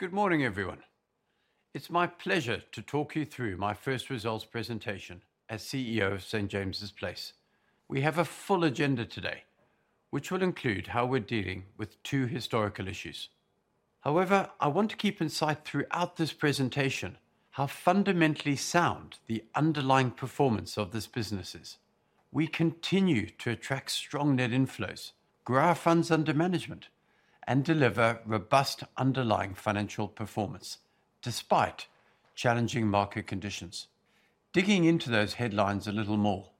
Good morning, everyone. It's my pleasure to talk you through my first results presentation as CEO of St. James's Place. We have a full agenda today, which will include how we're dealing with two historical issues. However, I want to keep in sight throughout this presentation how fundamentally sound the underlying performance of this business is. We continue to attract strong net inflows, grow our funds under management, and deliver robust underlying financial performance despite challenging market conditions. Digging into those headlines a little more: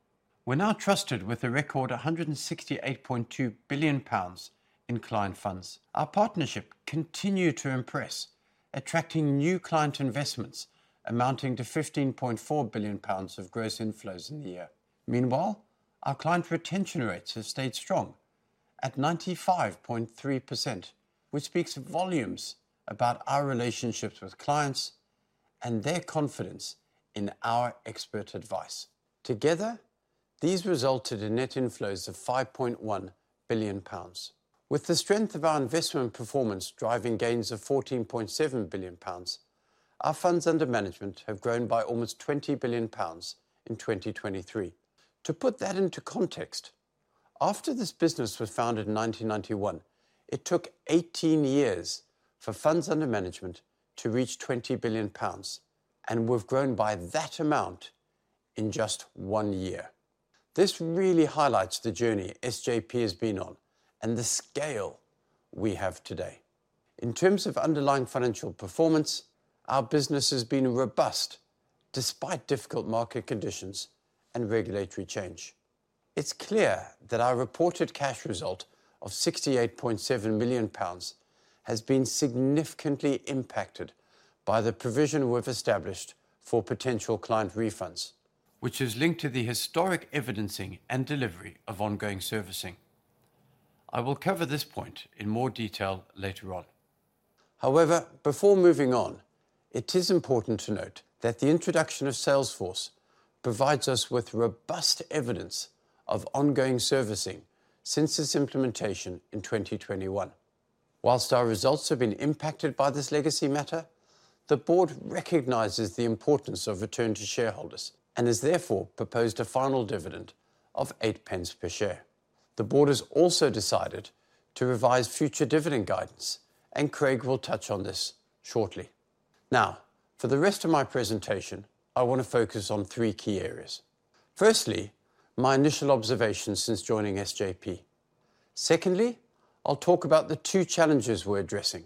we're now trusted with a record 168.2 billion pounds in client funds. Our partnership continues to impress, attracting new client investments amounting to 15.4 billion pounds of gross inflows in the year. Meanwhile, our client retention rates have stayed strong at 95.3%, which speaks volumes about our relationships with clients and their confidence in our expert advice. Together, these resulted in net inflows of 5.1 billion pounds. With the strength of our investment performance driving gains of 14.7 billion pounds, our funds under management have grown by almost 20 billion pounds in 2023. To put that into context, after this business was founded in 1991, it took 18 years for funds under management to reach 20 billion pounds, and we've grown by that amount in just one year. This really highlights the journey SJP has been on and the scale we have today. In terms of underlying financial performance, our business has been robust despite difficult market conditions and regulatory change. It's clear that our reported cash result of 68.7 million pounds has been significantly impacted by the provision we've established for potential client refunds, which is linked to the historic evidencing and delivery of ongoing servicing. I will cover this point in more detail later on. However, before moving on, it is important to note that the introduction of Salesforce provides us with robust evidence of ongoing servicing since its implementation in 2021. While our results have been impacted by this legacy matter, the board recognizes the importance of return to shareholders and has therefore proposed a final dividend of 8 per share. The board has also decided to revise future dividend guidance, and Craig will touch on this shortly. Now, for the rest of my presentation, I want to focus on three key areas. Firstly, my initial observations since joining SJP. Secondly, I'll talk about the two challenges we're addressing.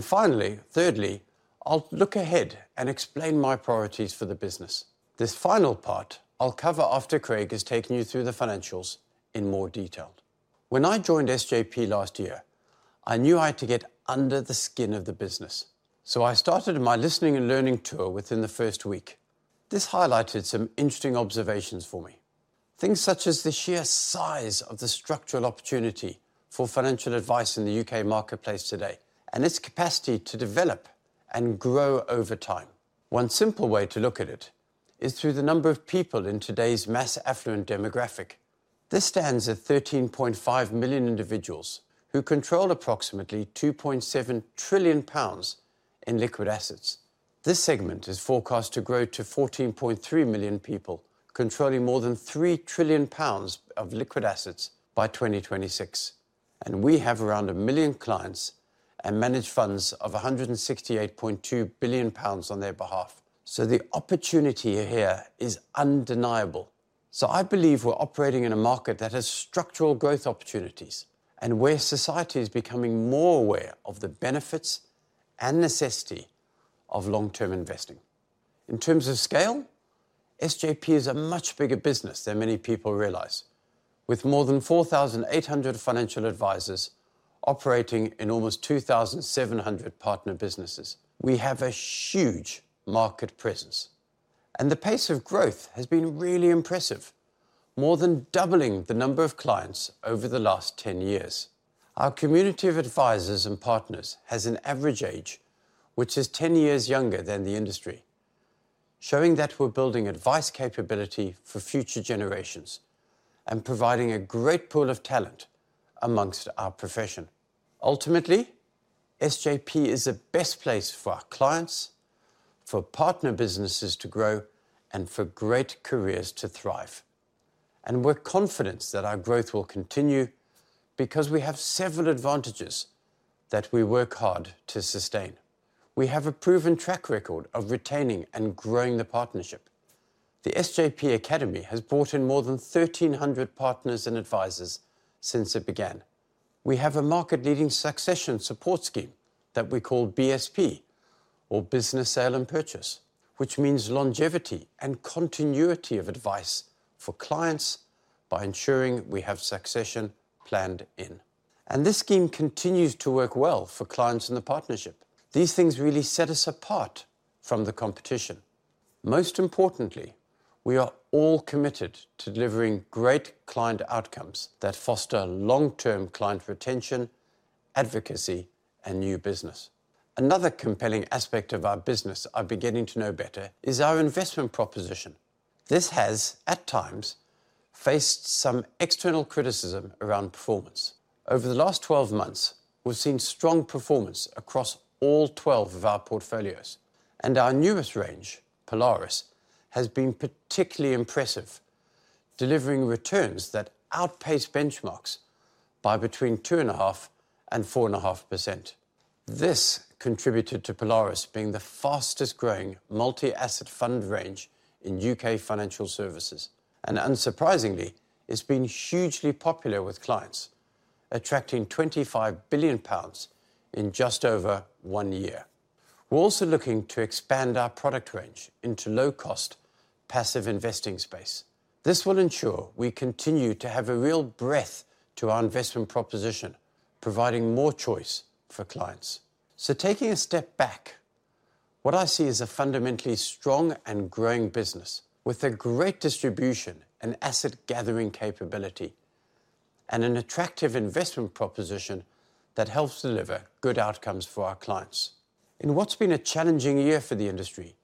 Finally, thirdly, I'll look ahead and explain my priorities for the business. This final part I'll cover after Craig has taken you through the financials in more detail. When I joined SJP last year, I knew I had to get under the skin of the business, so I started my listening and learning tour within the first week. This highlighted some interesting observations for me, things such as the sheer size of the structural opportunity for financial advice in the U.K. marketplace today and its capacity to develop and grow over time. One simple way to look at it is through the number of people in today's mass affluent demographic. This stands at 13.5 million individuals who control approximately 2.7 trillion pounds in liquid assets. This segment is forecast to grow to 14.3 million people controlling more than 3 trillion pounds of liquid assets by 2026. And we have around 1 million clients and manage funds of GBP 168.2 billion on their behalf. So the opportunity here is undeniable. So I believe we're operating in a market that has structural growth opportunities and where society is becoming more aware of the benefits and necessity of long-term investing. In terms of scale, SJP is a much bigger business than many people realize, with more than 4,800 financial advisers operating in almost 2,700 partner businesses. We have a huge market presence, and the pace of growth has been really impressive, more than doubling the number of clients over the last 10 years. Our community of advisers and partners has an average age which is 10 years younger than the industry, showing that we're building advice capability for future generations and providing a great pool of talent among our profession. Ultimately, SJP is the best place for our clients, for partner businesses to grow, and for great careers to thrive. We're confident that our growth will continue because we have several advantages that we work hard to sustain. We have a proven track record of retaining and growing the partnership. The SJP Academy has brought in more than 1,300 partners and advisers since it began. We have a market-leading succession support scheme that we call BSP, or Business Sale and Purchase, which means longevity and continuity of advice for clients by ensuring we have succession planned in. This scheme continues to work well for clients in the partnership. These things really set us apart from the competition. Most importantly, we are all committed to delivering great client outcomes that foster long-term client retention, advocacy, and new business. Another compelling aspect of our business I'm beginning to know better is our investment proposition. This has, at times, faced some external criticism around performance. Over the last 12 months, we've seen strong performance across all 12 of our portfolios. Our newest range, Polaris, has been particularly impressive, delivering returns that outpace benchmarks by between 2.5% and 4.5%. This contributed to Polaris being the fastest-growing multi-asset fund range in U.K. financial services. Unsurprisingly, it's been hugely popular with clients, attracting 25 billion pounds in just over one year. We're also looking to expand our product range into low-cost passive investing space. This will ensure we continue to have a real breadth to our investment proposition, providing more choice for clients. Taking a step back, what I see is a fundamentally strong and growing business with a great distribution and asset-gathering capability and an attractive investment proposition that helps deliver good outcomes for our clients. In what's been a challenging year for the industry,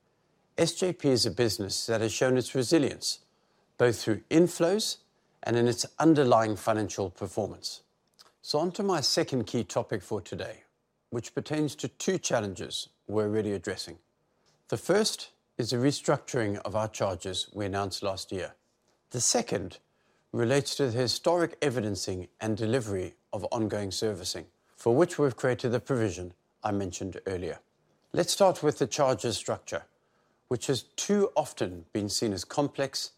SJP is a business that has shown its resilience both through inflows and in its underlying financial performance. So onto my second key topic for today, which pertains to two challenges we're really addressing. The first is the restructuring of our charges we announced last year. The second relates to the historic evidencing and delivery of ongoing servicing, for which we've created the provision I mentioned earlier. Let's start with the charge structure, which has too often been seen as complex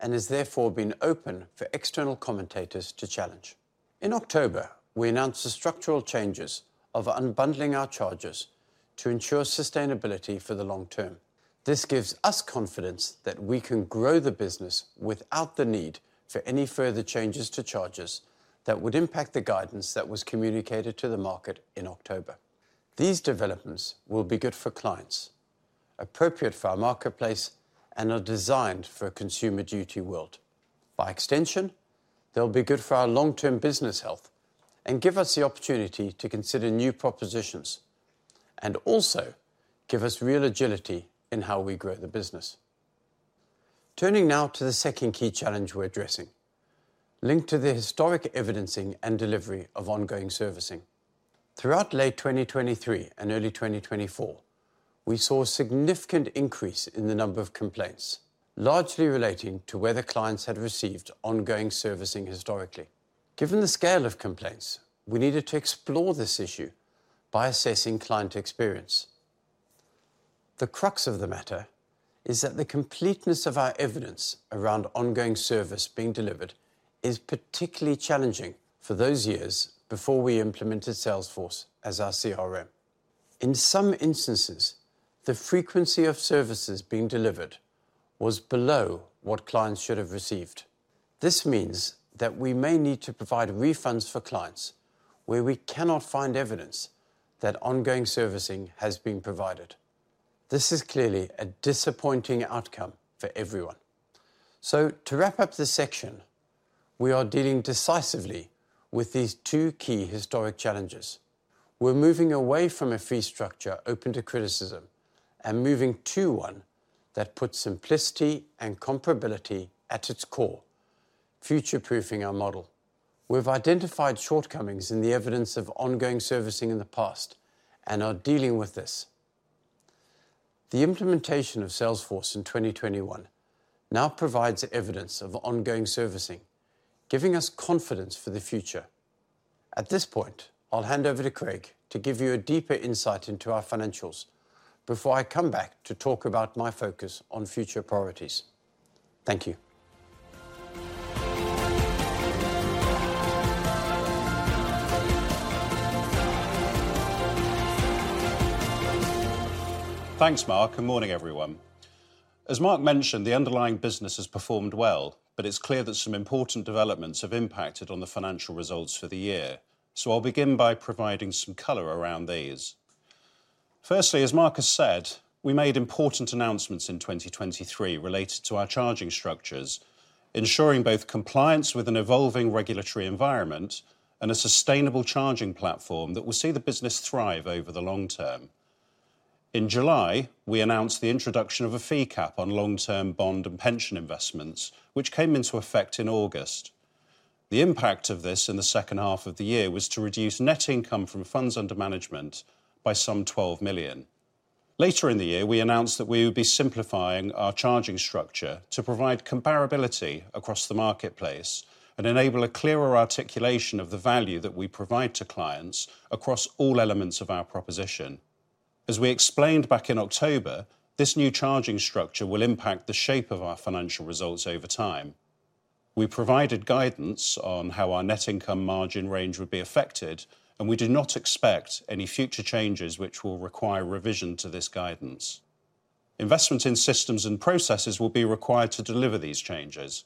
and has therefore been open for external commentators to challenge. In October, we announced the structural changes of unbundling our charges to ensure sustainability for the long term. This gives us confidence that we can grow the business without the need for any further changes to charges that would impact the guidance that was communicated to the market in October. These developments will be good for clients, appropriate for our marketplace, and are designed for a Consumer Duty world. By extension, they'll be good for our long-term business health and give us the opportunity to consider new propositions and also give us real agility in how we grow the business. Turning now to the second key challenge we're addressing, linked to the historic evidencing and delivery of ongoing servicing. Throughout late 2023 and early 2024, we saw a significant increase in the number of complaints, largely relating to whether clients had received ongoing servicing historically. Given the scale of complaints, we needed to explore this issue by assessing client experience. The crux of the matter is that the completeness of our evidence around ongoing service being delivered is particularly challenging for those years before we implemented Salesforce as our CRM. In some instances, the frequency of services being delivered was below what clients should have received. This means that we may need to provide refunds for clients where we cannot find evidence that ongoing servicing has been provided. This is clearly a disappointing outcome for everyone. So to wrap up this section, we are dealing decisively with these two key historic challenges. We're moving away from a fee structure open to criticism and moving to one that puts simplicity and comparability at its core, future-proofing our model. We've identified shortcomings in the evidence of ongoing servicing in the past and are dealing with this. The implementation of Salesforce in 2021 now provides evidence of ongoing servicing, giving us confidence for the future. At this point, I'll hand over to Craig to give you a deeper insight into our financials before I come back to talk about my focus on future priorities. Thank you. Thanks, Mark. Good morning, everyone. As Mark mentioned, the underlying business has performed well, but it's clear that some important developments have impacted on the financial results for the year. I'll begin by providing some colour around these. Firstly, as Mark has said, we made important announcements in 2023 related to our charging structures, ensuring both compliance with an evolving regulatory environment and a sustainable charging platform that will see the business thrive over the long term. In July, we announced the introduction of a fee cap on long-term bond and pension investments, which came into effect in August. The impact of this in the second half of the year was to reduce net income from funds under management by some 12 million. Later in the year, we announced that we would be simplifying our charging structure to provide comparability across the marketplace and enable a clearer articulation of the value that we provide to clients across all elements of our proposition. As we explained back in October, this new charging structure will impact the shape of our financial results over time. We provided guidance on how our net income margin range would be affected, and we do not expect any future changes which will require revision to this guidance. Investment in systems and processes will be required to deliver these changes.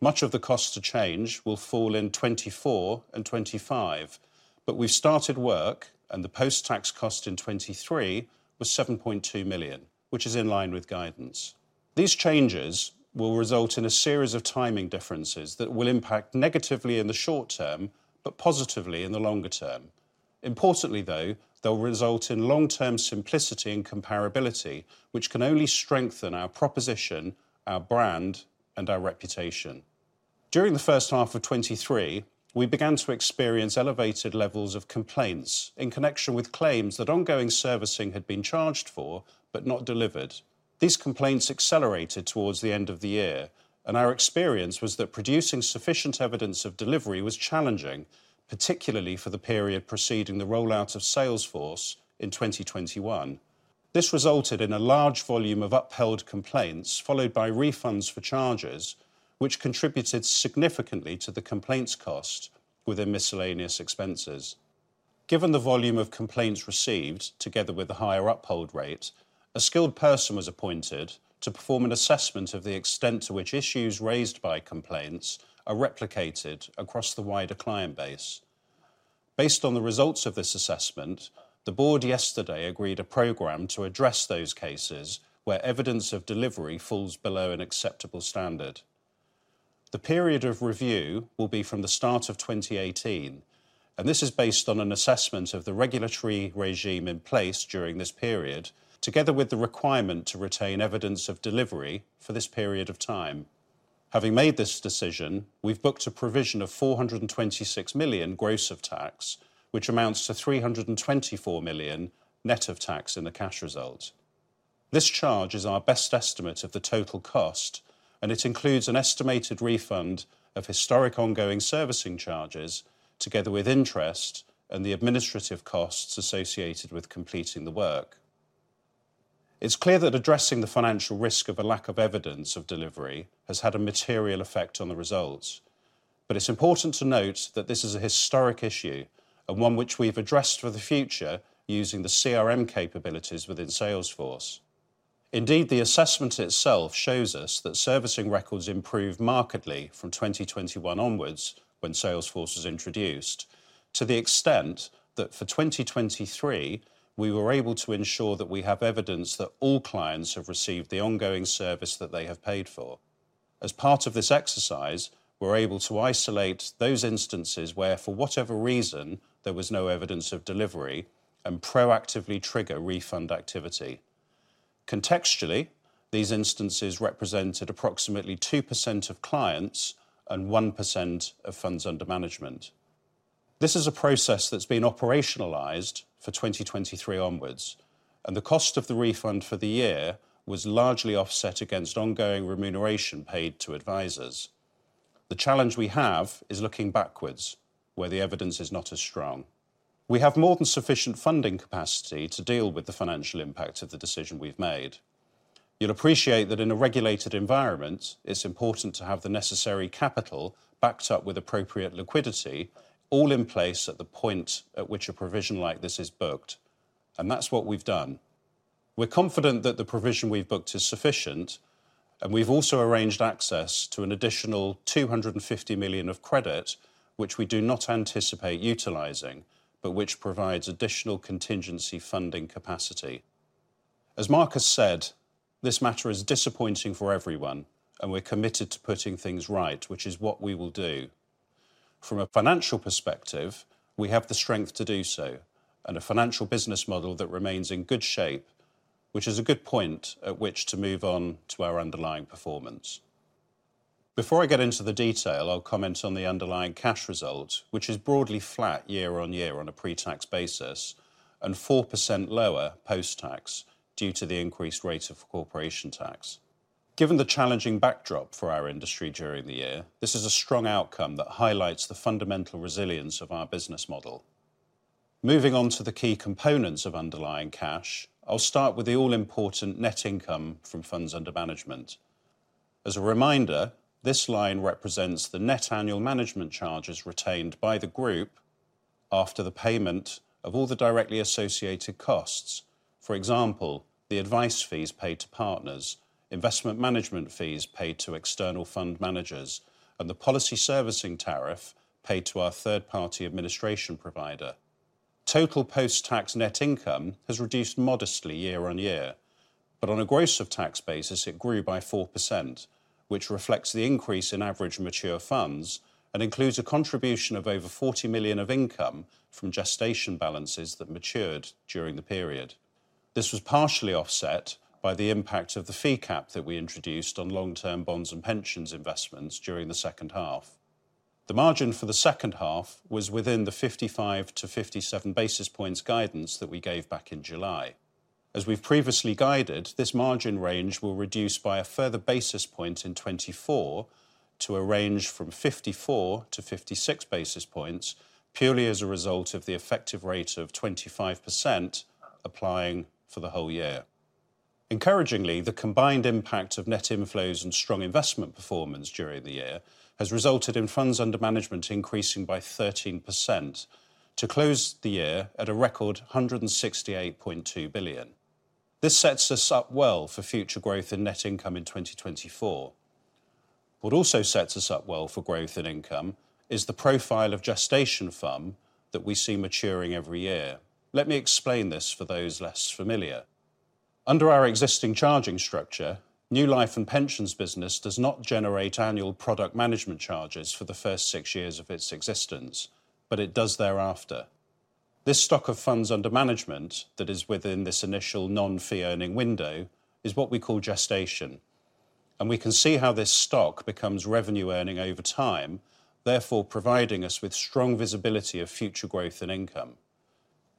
Much of the cost to change will fall in 2024 and 2025, but we've started work, and the post-tax cost in 2023 was 7.2 million, which is in line with guidance. These changes will result in a series of timing differences that will impact negatively in the short term but positively in the longer term. Importantly, though, they'll result in long-term simplicity and comparability, which can only strengthen our proposition, our brand, and our reputation. During the first half of 2023, we began to experience elevated levels of complaints in connection with claims that ongoing servicing had been charged for but not delivered. These complaints accelerated towards the end of the year, and our experience was that producing sufficient evidence of delivery was challenging, particularly for the period preceding the rollout of Salesforce in 2021. This resulted in a large volume of upheld complaints followed by refunds for charges, which contributed significantly to the complaints cost within miscellaneous expenses. Given the volume of complaints received together with the higher uphold rate, a Skilled Person was appointed to perform an assessment of the extent to which issues raised by complaints are replicated across the wider client base. Based on the results of this assessment, the board yesterday agreed a programme to address those cases where evidence of delivery falls below an acceptable standard. The period of review will be from the start of 2018, and this is based on an assessment of the regulatory regime in place during this period, together with the requirement to retain evidence of delivery for this period of time. Having made this decision, we've booked a provision of 426 million gross of tax, which amounts to 324 million net of tax in the cash result. This charge is our best estimate of the total cost, and it includes an estimated refund of historic ongoing servicing charges together with interest and the administrative costs associated with completing the work. It's clear that addressing the financial risk of a lack of evidence of delivery has had a material effect on the results. It's important to note that this is a historic issue and one which we've addressed for the future using the CRM capabilities within Salesforce. Indeed, the assessment itself shows us that servicing records improved markedly from 2021 onwards when Salesforce was introduced, to the extent that for 2023, we were able to ensure that we have evidence that all clients have received the ongoing service that they have paid for. As part of this exercise, we're able to isolate those instances where, for whatever reason, there was no evidence of delivery and proactively trigger refund activity. Contextually, these instances represented approximately 2% of clients and 1% of funds under management. This is a process that's been operationalized for 2023 onwards, and the cost of the refund for the year was largely offset against ongoing remuneration paid to advisors. The challenge we have is looking backwards, where the evidence is not as strong. We have more than sufficient funding capacity to deal with the financial impact of the decision we've made. You'll appreciate that in a regulated environment, it's important to have the necessary capital backed up with appropriate liquidity, all in place at the point at which a provision like this is booked. And that's what we've done. We're confident that the provision we've booked is sufficient, and we've also arranged access to an additional 250 million of credit, which we do not anticipate utilizing but which provides additional contingency funding capacity. As Mark has said, this matter is disappointing for everyone, and we're committed to putting things right, which is what we will do. From a financial perspective, we have the strength to do so and a financial business model that remains in good shape, which is a good point at which to move on to our underlying performance. Before I get into the detail, I'll comment on the underlying cash result, which is broadly flat year-on-year on a pre-tax basis and 4% lower post-tax due to the increased rate of corporation tax. Given the challenging backdrop for our industry during the year, this is a strong outcome that highlights the fundamental resilience of our business model. Moving on to the key components of underlying cash, I'll start with the all-important net income from funds under management. As a reminder, this line represents the net annual management charges retained by the group after the payment of all the directly associated costs, for example, the advice fees paid to partners, investment management fees paid to external fund managers, and the policy servicing tariff paid to our third-party administration provider. Total post-tax net income has reduced modestly year-over-year, but on a gross-of-tax basis, it grew by 4%, which reflects the increase in average mature funds and includes a contribution of over 40 million of income from gestation balances that matured during the period. This was partially offset by the impact of the fee cap that we introduced on long-term bonds and pensions investments during the second half. The margin for the second half was within the 55-57 basis points guidance that we gave back in July. As we've previously guided, this margin range will reduce by a further basis point in 2024 to a range from 54-56 basis points, purely as a result of the effective rate of 25% applying for the whole year. Encouragingly, the combined impact of net inflows and strong investment performance during the year has resulted in funds under management increasing by 13% to close the year at a record 168.2 billion. This sets us up well for future growth in net income in 2024. What also sets us up well for growth in income is the profile of gestation fund that we see maturing every year. Let me explain this for those less familiar. Under our existing charging structure, new life and pensions business does not generate annual product management charges for the first six years of its existence, but it does thereafter. This stock of funds under management that is within this initial non-fee-earning window is what we call gestation. We can see how this stock becomes revenue-earning over time, therefore providing us with strong visibility of future growth in income.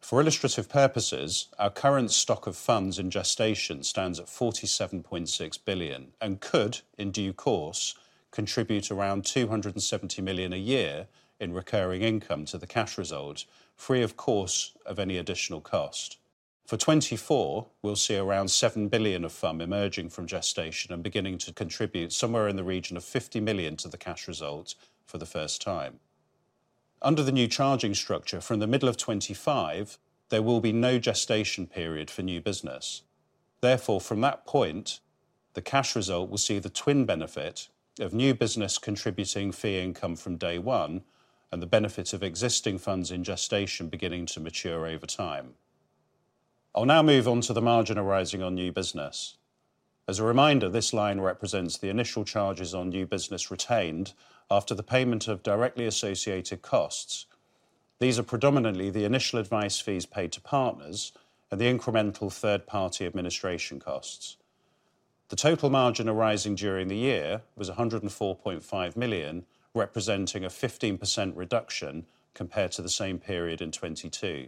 For illustrative purposes, our current stock of funds in gestation stands at 47.6 billion and could, in due course, contribute around 270 million a year in recurring income to the cash result, free, of course, of any additional cost. For 2024, we'll see around 7 billion of fund emerging from gestation and beginning to contribute somewhere in the region of 50 million to the cash result for the first time. Under the new charging structure, from the middle of 2025, there will be no gestation period for new business. Therefore, from that point, the cash result will see the twin benefit of new business contributing fee income from day one and the benefit of existing funds in gestation beginning to mature over time. I'll now move on to the margin arising on new business. As a reminder, this line represents the initial charges on new business retained after the payment of directly associated costs. These are predominantly the initial advice fees paid to partners and the incremental third-party administration costs. The total margin arising during the year was 104.5 million, representing a 15% reduction compared to the same period in 2022.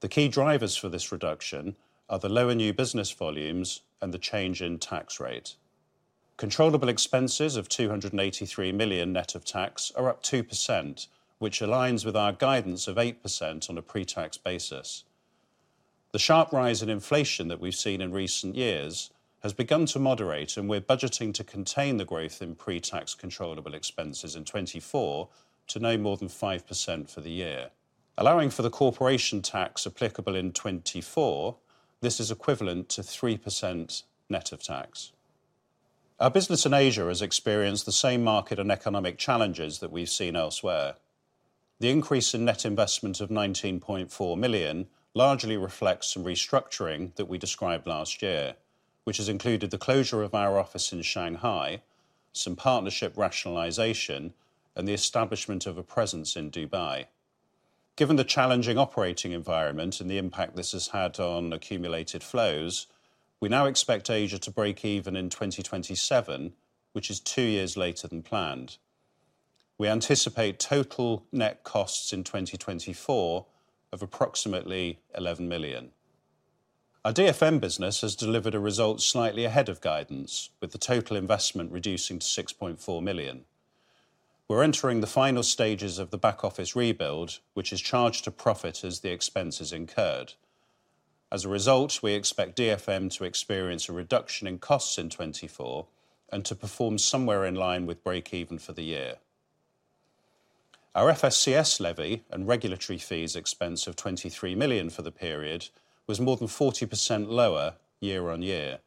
The key drivers for this reduction are the lower new business volumes and the change in tax rate. Controllable expenses of 283 million net of tax are up 2%, which aligns with our guidance of 8% on a pre-tax basis. The sharp rise in inflation that we've seen in recent years has begun to moderate, and we're budgeting to contain the growth in pre-tax controllable expenses in 2024 to no more than 5% for the year. Allowing for the corporation tax applicable in 2024, this is equivalent to 3% net of tax. Our business in Asia has experienced the same market and economic challenges that we've seen elsewhere. The increase in net investment of 19.4 million largely reflects some restructuring that we described last year, which has included the closure of our office in Shanghai, some partnership rationalization, and the establishment of a presence in Dubai. Given the challenging operating environment and the impact this has had on accumulated flows, we now expect Asia to break even in 2027, which is two years later than planned. We anticipate total net costs in 2024 of approximately 11 million. Our DFM business has delivered a result slightly ahead of guidance, with the total investment reducing to 6.4 million. We're entering the final stages of the back-office rebuild, which is charged a profit as the expenses incurred. As a result, we expect DFM to experience a reduction in costs in 2024 and to perform somewhere in line with break-even for the year. Our FSCS levy and regulatory fees expense of 23 million for the period was more than 40% lower year on year.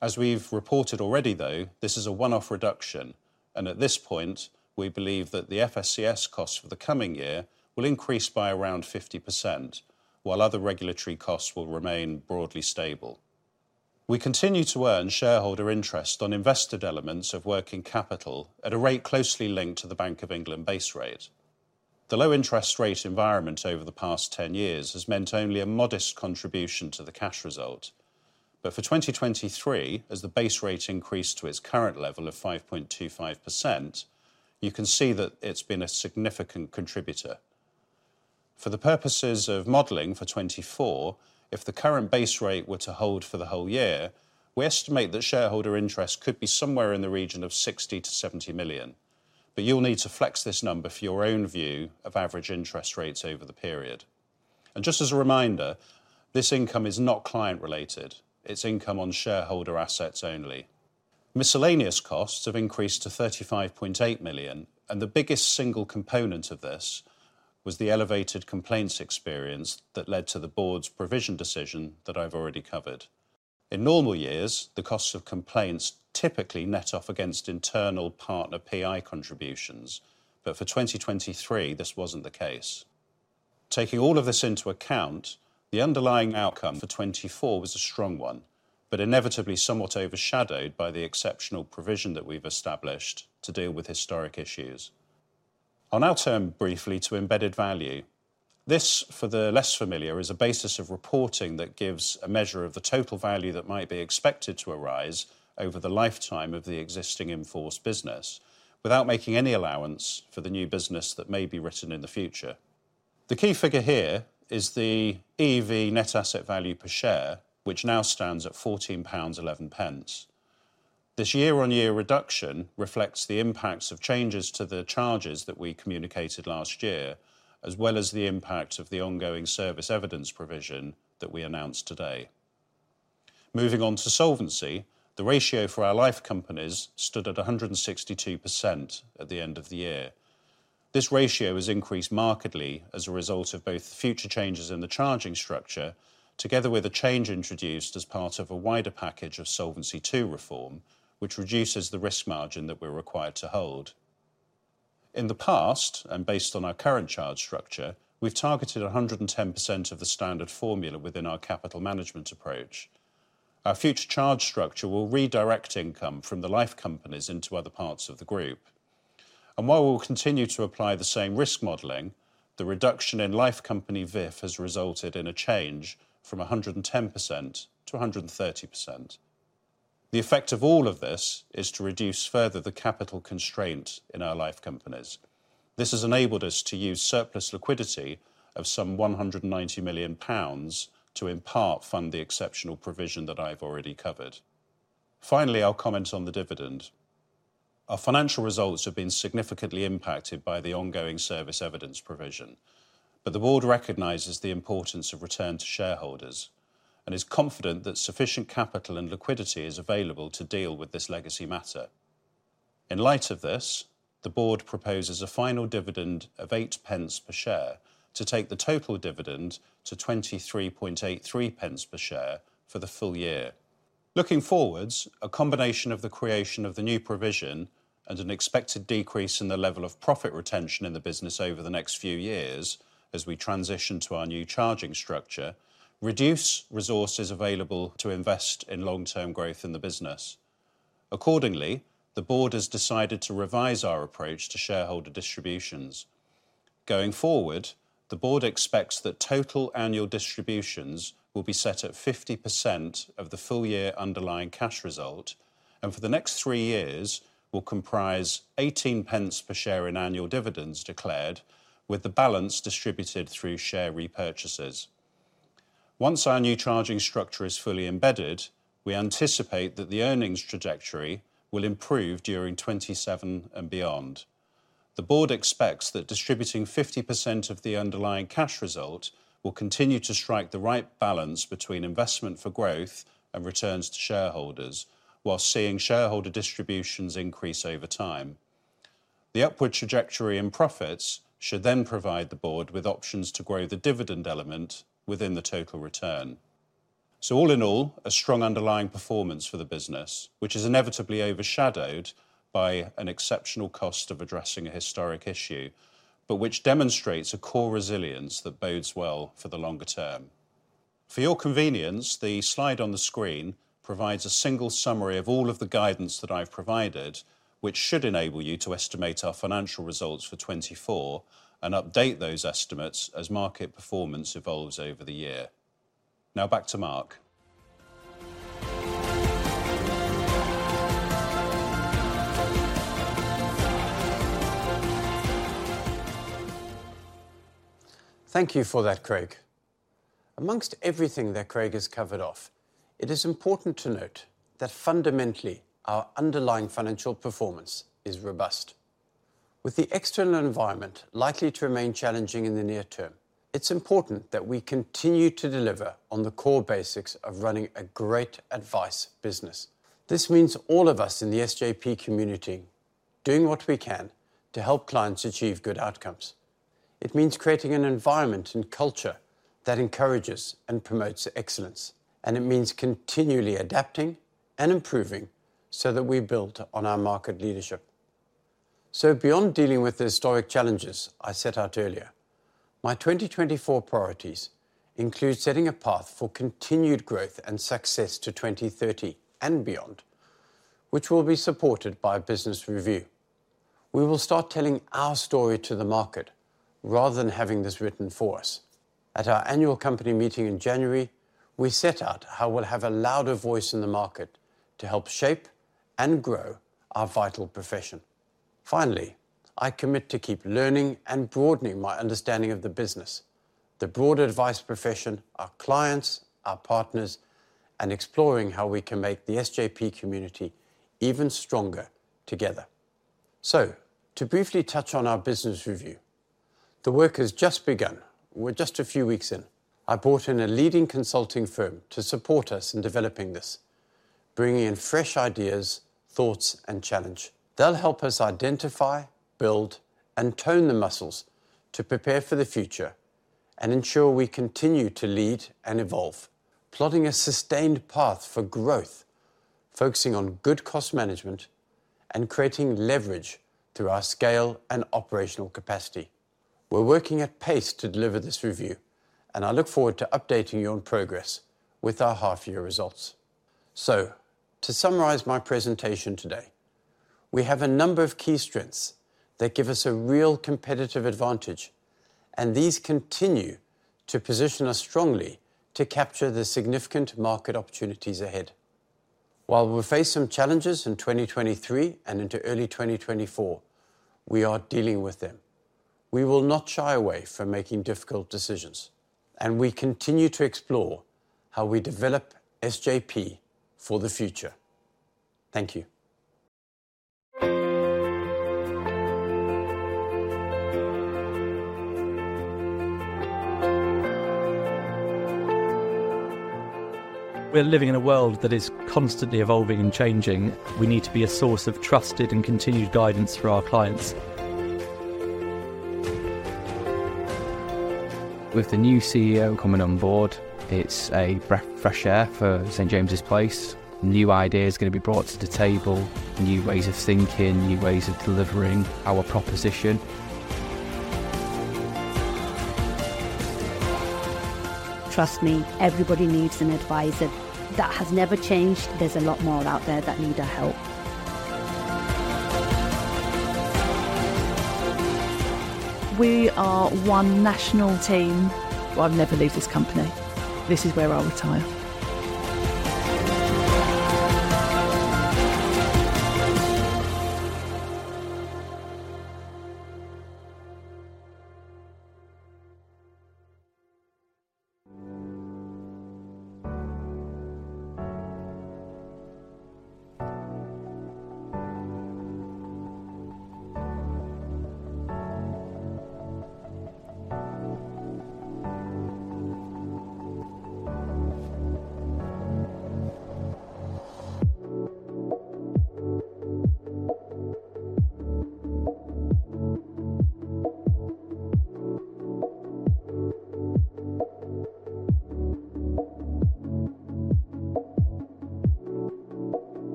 As we've reported already, though, this is a one-off reduction, and at this point, we believe that the FSCS costs for the coming year will increase by around 50%, while other regulatory costs will remain broadly stable. We continue to earn shareholder interest on invested elements of working capital at a rate closely linked to the Bank of England base rate. The low interest rate environment over the past 10 years has meant only a modest contribution to the cash result. But for 2023, as the base rate increased to its current level of 5.25%, you can see that it's been a significant contributor. For the purposes of modelling for 2024, if the current base rate were to hold for the whole year, we estimate that shareholder interest could be somewhere in the region of 60 million-70 million. You'll need to flex this number for your own view of average interest rates over the period. Just as a reminder, this income is not client-related. It's income on shareholder assets only. Miscellaneous costs have increased to 35.8 million, and the biggest single component of this was the elevated complaints experience that led to the board's provision decision that I've already covered. In normal years, the costs of complaints typically net off against internal partner PI contributions, but for 2023, this wasn't the case. Taking all of this into account, the underlying outcome for 2024 was a strong one, but inevitably somewhat overshadowed by the exceptional provision that we've established to deal with historic issues. I'll now turn briefly to Embedded Value. This, for the less familiar, is a basis of reporting that gives a measure of the total value that might be expected to arise over the lifetime of the existing enforced business, without making any allowance for the new business that may be written in the future. The key figure here is the EV net asset value per share, which now stands at 14.11 pounds. This year-on-year reduction reflects the impacts of changes to the charges that we communicated last year, as well as the impact of the ongoing service evidence provision that we announced today. Moving on to solvency, the ratio for our life companies stood at 162% at the end of the year. This ratio has increased markedly as a result of both future changes in the charging structure, together with a change introduced as part of a wider package of Solvency II reform, which reduces the risk margin that we're required to hold. In the past, and based on our current charge structure, we've targeted 110% of the standard formula within our capital management approach. Our future charge structure will redirect income from the life companies into other parts of the group. And while we'll continue to apply the same risk modeling, the reduction in life company VIF has resulted in a change from 110% to 130%. The effect of all of this is to reduce further the capital constraint in our life companies. This has enabled us to use surplus liquidity of some 190 million pounds to in part fund the exceptional provision that I've already covered. Finally, I'll comment on the dividend. Our financial results have been significantly impacted by the ongoing service evidence provision. But the board recognizes the importance of return to shareholders and is confident that sufficient capital and liquidity is available to deal with this legacy matter. In light of this, the board proposes a final dividend of 0.08 per share to take the total dividend to 23.83 per share for the full year. Looking forwards, a combination of the creation of the new provision and an expected decrease in the level of profit retention in the business over the next few years, as we transition to our new charging structure, reduce resources available to invest in long-term growth in the business. Accordingly, the board has decided to revise our approach to shareholder distributions. Going forward, the board expects that total annual distributions will be set at 50% of the full year underlying cash result, and for the next three years will comprise 0.18 per share in annual dividends declared, with the balance distributed through share repurchases. Once our new charging structure is fully embedded, we anticipate that the earnings trajectory will improve during 2027 and beyond. The board expects that distributing 50% of the underlying cash result will continue to strike the right balance between investment for growth and returns to shareholders, while seeing shareholder distributions increase over time. The upward trajectory in profits should then provide the board with options to grow the dividend element within the total return. So all in all, a strong underlying performance for the business, which is inevitably overshadowed by an exceptional cost of addressing a historic issue, but which demonstrates a core resilience that bodes well for the longer term. For your convenience, the slide on the screen provides a single summary of all of the guidance that I've provided, which should enable you to estimate our financial results for 2024 and update those estimates as market performance evolves over the year. Now back to Mark. Thank you for that, Craig. Among everything that Craig has covered off, it is important to note that fundamentally our underlying financial performance is robust. With the external environment likely to remain challenging in the near term, it's important that we continue to deliver on the core basics of running a great advice business. This means all of us in the SJP community doing what we can to help clients achieve good outcomes. It means creating an environment and culture that encourages and promotes excellence. It means continually adapting and improving so that we build on our market leadership. Beyond dealing with the historic challenges I set out earlier, my 2024 priorities include setting a path for continued growth and success to 2030 and beyond, which will be supported by a business review. We will start telling our story to the market rather than having this written for us. At our annual company meeting in January, we set out how we'll have a louder voice in the market to help shape and grow our vital profession. Finally, I commit to keep learning and broadening my understanding of the business, the broad advice profession, our clients, our partners, and exploring how we can make the SJP community even stronger together. So, to briefly touch on our business review. The work has just begun. We're just a few weeks in. I brought in a leading consulting firm to support us in developing this, bringing in fresh ideas, thoughts, and challenge. They'll help us identify, build, and tone the muscles to prepare for the future and ensure we continue to lead and evolve, plotting a sustained path for growth, focusing on good cost management, and creating leverage through our scale and operational capacity. We're working at pace to deliver this review, and I look forward to updating you on progress with our half-year results. So, to summarize my presentation today, we have a number of key strengths that give us a real competitive advantage, and these continue to position us strongly to capture the significant market opportunities ahead. While we'll face some challenges in 2023 and into early 2024, we are dealing with them. We will not shy away from making difficult decisions, and we continue to explore how we develop SJP for the future. Thank you.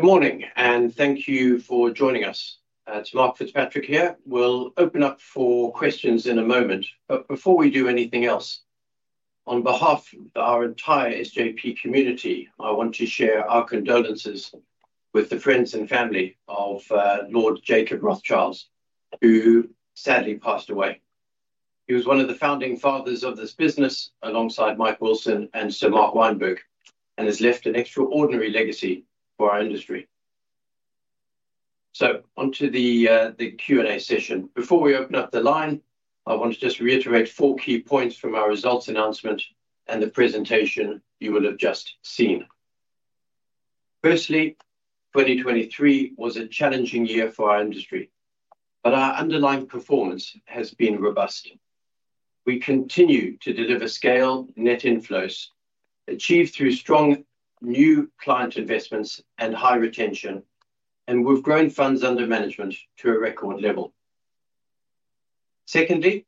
Good morning, and thank you for joining us. Mark FitzPatrick here. We'll open up for questions in a moment, but before we do anything else, on behalf of our entire SJP community, I want to share our condolences with the friends and family of Lord Jacob Rothschild, who sadly passed away. He was one of the founding fathers of this business alongside Mike Wilson and Sir Mark Weinberg, and has left an extraordinary legacy for our industry. So, onto the Q&A session. Before we open up the line, I want to just reiterate four key points from our results announcement and the presentation you will have just seen. Firstly, 2023 was a challenging year for our industry, but our underlying performance has been robust. We continue to deliver scale, net inflows achieved through strong new client investments and high retention, and we've grown funds under management to a record level. Secondly,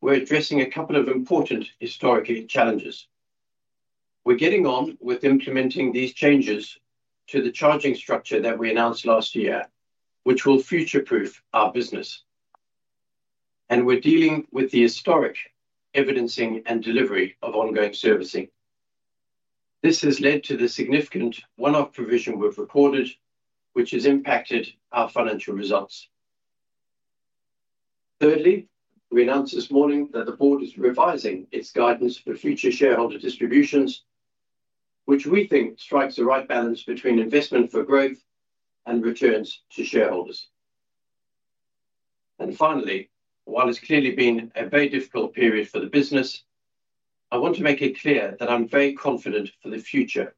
we're addressing a couple of important historic challenges. We're getting on with implementing these changes to the charging structure that we announced last year, which will future-proof our business. We're dealing with the historic evidencing and delivery of ongoing servicing. This has led to the significant one-off provision we've recorded, which has impacted our financial results. Thirdly, we announced this morning that the board is revising its guidance for future shareholder distributions, which we think strikes the right balance between investment for growth and returns to shareholders. Finally, while it's clearly been a very difficult period for the business, I want to make it clear that I'm very confident for the future.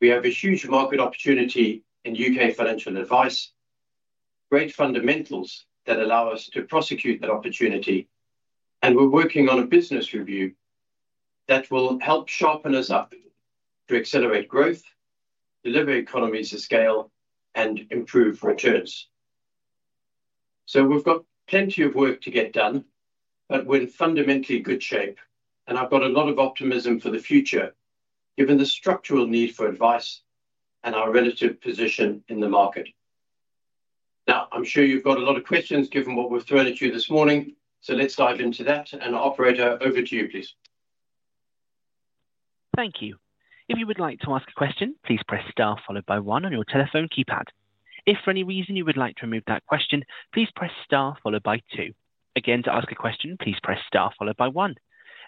We have a huge market opportunity in U.K. financial advice, great fundamentals that allow us to prosecute that opportunity, and we're working on a business review that will help sharpen us up to accelerate growth, deliver economies of scale, and improve returns. We've got plenty of work to get done, but we're in fundamentally good shape, and I've got a lot of optimism for the future given the structural need for advice and our relative position in the market. Now, I'm sure you've got a lot of questions given what we've thrown at you this morning, so let's dive into that. Operator, over to you, please. Thank you. If you would like to ask a question, please press star followed by one on your telephone keypad. If for any reason you would like to remove that question, please press star followed by two. Again, to ask a question, please press star followed by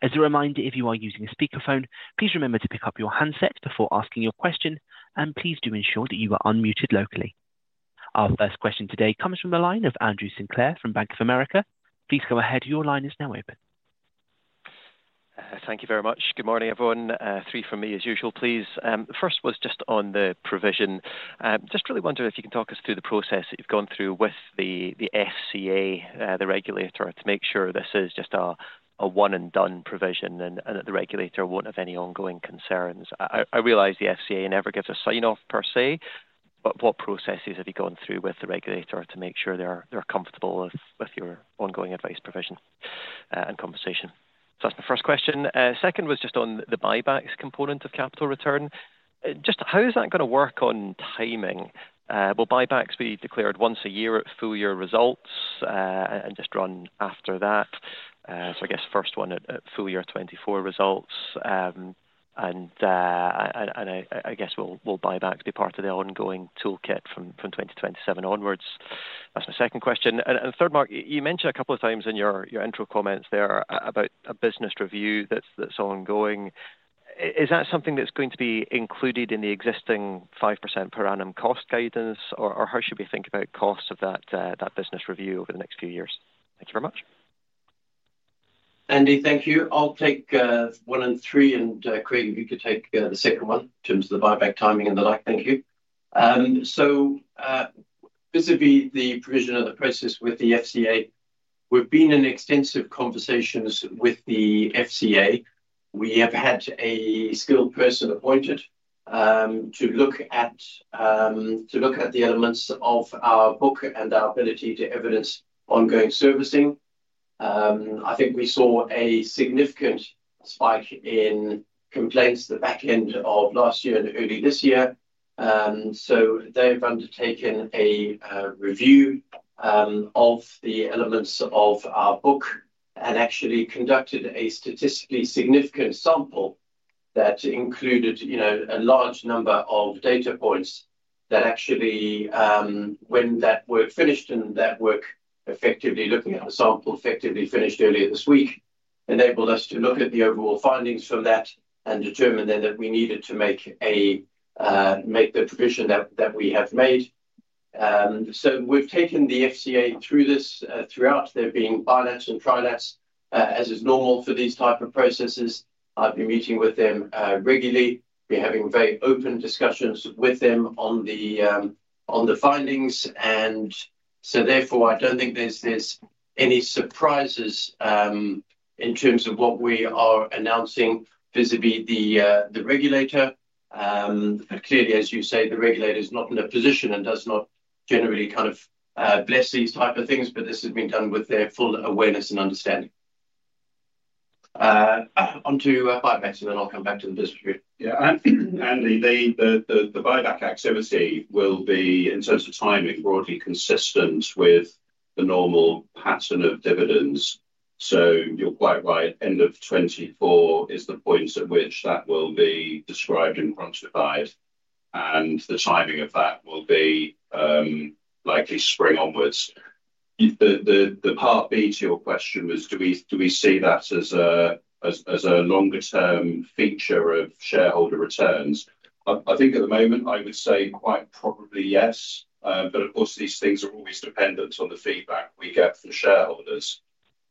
one. As a reminder, if you are using a speakerphone, please remember to pick up your handset before asking your question, and please do ensure that you are unmuted locally. Our first question today comes from the line of Andrew Sinclair from Bank of America. Please go ahead. Your line is now open. Thank you very much. Good morning, everyone. Three from me as usual, please. The first was just on the provision. Just really wonder if you can talk us through the process that you've gone through with the FCA, the regulator, to make sure this is just a one-and-done provision and that the regulator won't have any ongoing concerns. I realize the FCA never gives a sign-off, per se, but what processes have you gone through with the regulator to make sure they're comfortable with your ongoing advice provision and conversation? So that's the first question. Second was just on the buybacks component of capital return. Just how is that going to work on timing? Well, buybacks we declared once a year at full year results and just run after that. So I guess first one at full year 2024 results. And I guess we'll buybacks be part of the ongoing toolkit from 2027 onwards. That's my second question. And third, Mark, you mentioned a couple of times in your intro comments there about a business review that's ongoing. Is that something that's going to be included in the existing 5% per annum cost guidance, or how should we think about costs of that business review over the next few years? Thank you very much. Andy, thank you. I'll take one and three, and Craig, if you could take the second one in terms of the buyback timing and the like. Thank you. So this would be the provision of the process with the FCA. We've been in extensive conversations with the FCA. We have had a Skilled Person appointed to look at the elements of our book and our ability to evidence ongoing servicing. I think we saw a significant spike in complaints the back end of last year and early this year. So they have undertaken a review of the elements of our book and actually conducted a statistically significant sample that included a large number of data points that actually, when that work finished and that work effectively looking at the sample effectively finished earlier this week, enabled us to look at the overall findings from that and determine then that we needed to make the provision that we have made. So we've taken the FCA through this. Throughout, there have been bilaterals and trilaterals, as is normal for these type of processes. I've been meeting with them regularly. We're having very open discussions with them on the findings. And so therefore, I don't think there's any surprises in terms of what we are announcing vis-à-vis the regulator. But clearly, as you say, the regulator is not in a position and does not generally kind of bless these type of things, but this has been done with their full awareness and understanding. Onto buybacks, and then I'll come back to the business review. Yeah. Andy, the buyback activity will be, in terms of timing, broadly consistent with the normal pattern of dividends. So you're quite right. End of 2024 is the point at which that will be described and quantified, and the timing of that will be likely spring onwards. The part B to your question was, do we see that as a longer-term feature of shareholder returns? I think at the moment, I would say quite probably yes. But of course, these things are always dependent on the feedback we get from shareholders.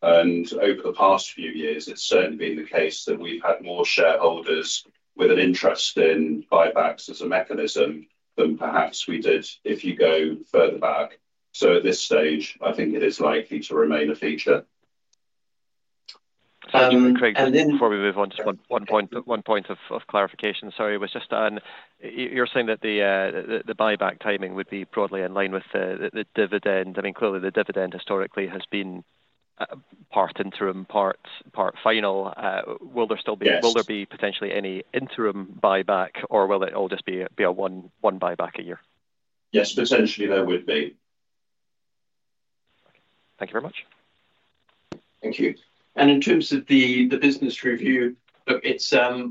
Over the past few years, it's certainly been the case that we've had more shareholders with an interest in buybacks as a mechanism than perhaps we did if you go further back. At this stage, I think it is likely to remain a feature. Then, Craig, before we move on, just one point of clarification. Sorry, it was just, you're saying that the buyback timing would be broadly in line with the dividend. I mean, clearly, the dividend historically has been part interim, part final. Will there still be potentially any interim buyback, or will it all just be a one buyback a year? Yes, potentially there would be. Thank you very much. Thank you. In terms of the business review, look,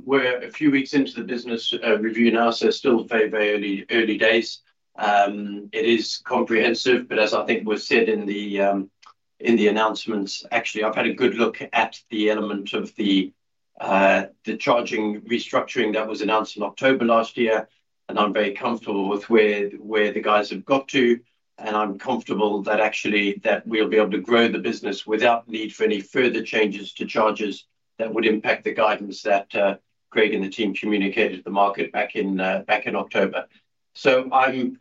we're a few weeks into the business review now, so still very, very early days. It is comprehensive, but as I think was said in the announcements, actually, I've had a good look at the element of the charging restructuring that was announced in October last year, and I'm very comfortable with where the guys have got to. And I'm comfortable that actually we'll be able to grow the business without need for any further changes to charges that would impact the guidance that Craig and the team communicated to the market back in October. So I'm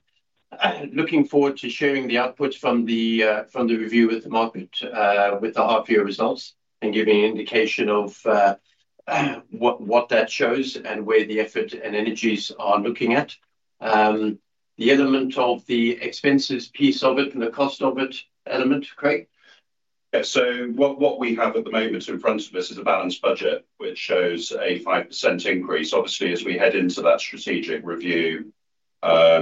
looking forward to sharing the outputs from the review with the market with the half-year results and giving an indication of what that shows and where the effort and energies are looking at. The element of the expenses piece of it and the cost of it element, Craig? Yeah. So what we have at the moment in front of us is a balanced budget which shows a 5% increase. Obviously, as we head into that strategic review, that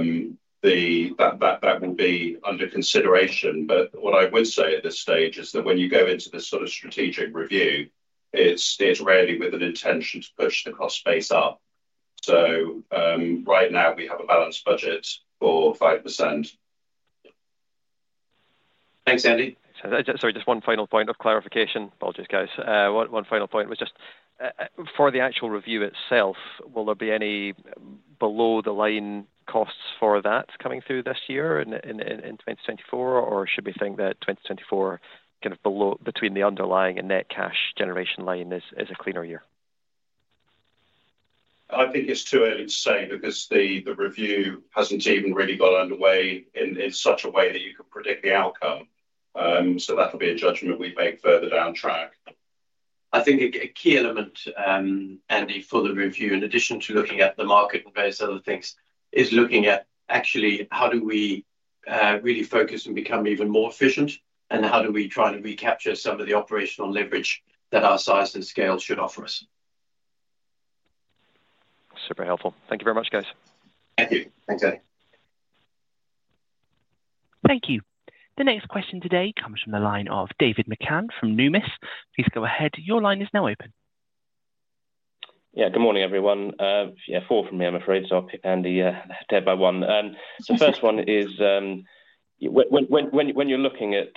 will be under consideration. But what I would say at this stage is that when you go into this sort of strategic review, it's rarely with an intention to push the cost base up. So right now, we have a balanced budget for 5%. Thanks, Andy. Sorry, just one final point of clarification. Apologies, guys. One final point was just for the actual review itself, will there be any below-the-line costs for that coming through this year in 2024, or should we think that 2024, kind of between the underlying and net cash generation line, is a cleaner year? I think it's too early to say because the review hasn't even really gone underway in such a way that you could predict the outcome. So that'll be a judgment we make further down track. I think a key element, Andy, for the review, in addition to looking at the market and various other things, is looking at actually how do we really focus and become even more efficient, and how do we try and recapture some of the operational leverage that our size and scale should offer us. Super helpful. Thank you very much, guys. Thank you. Thanks, Andy. Thank you. The next question today comes from the line of David McCann from Numis. Please go ahead. Your line is now open. Yeah. Good morning, everyone. Yeah, four from me, I'm afraid. So I'll pip Andy's debt by one. So first one is, when you're looking at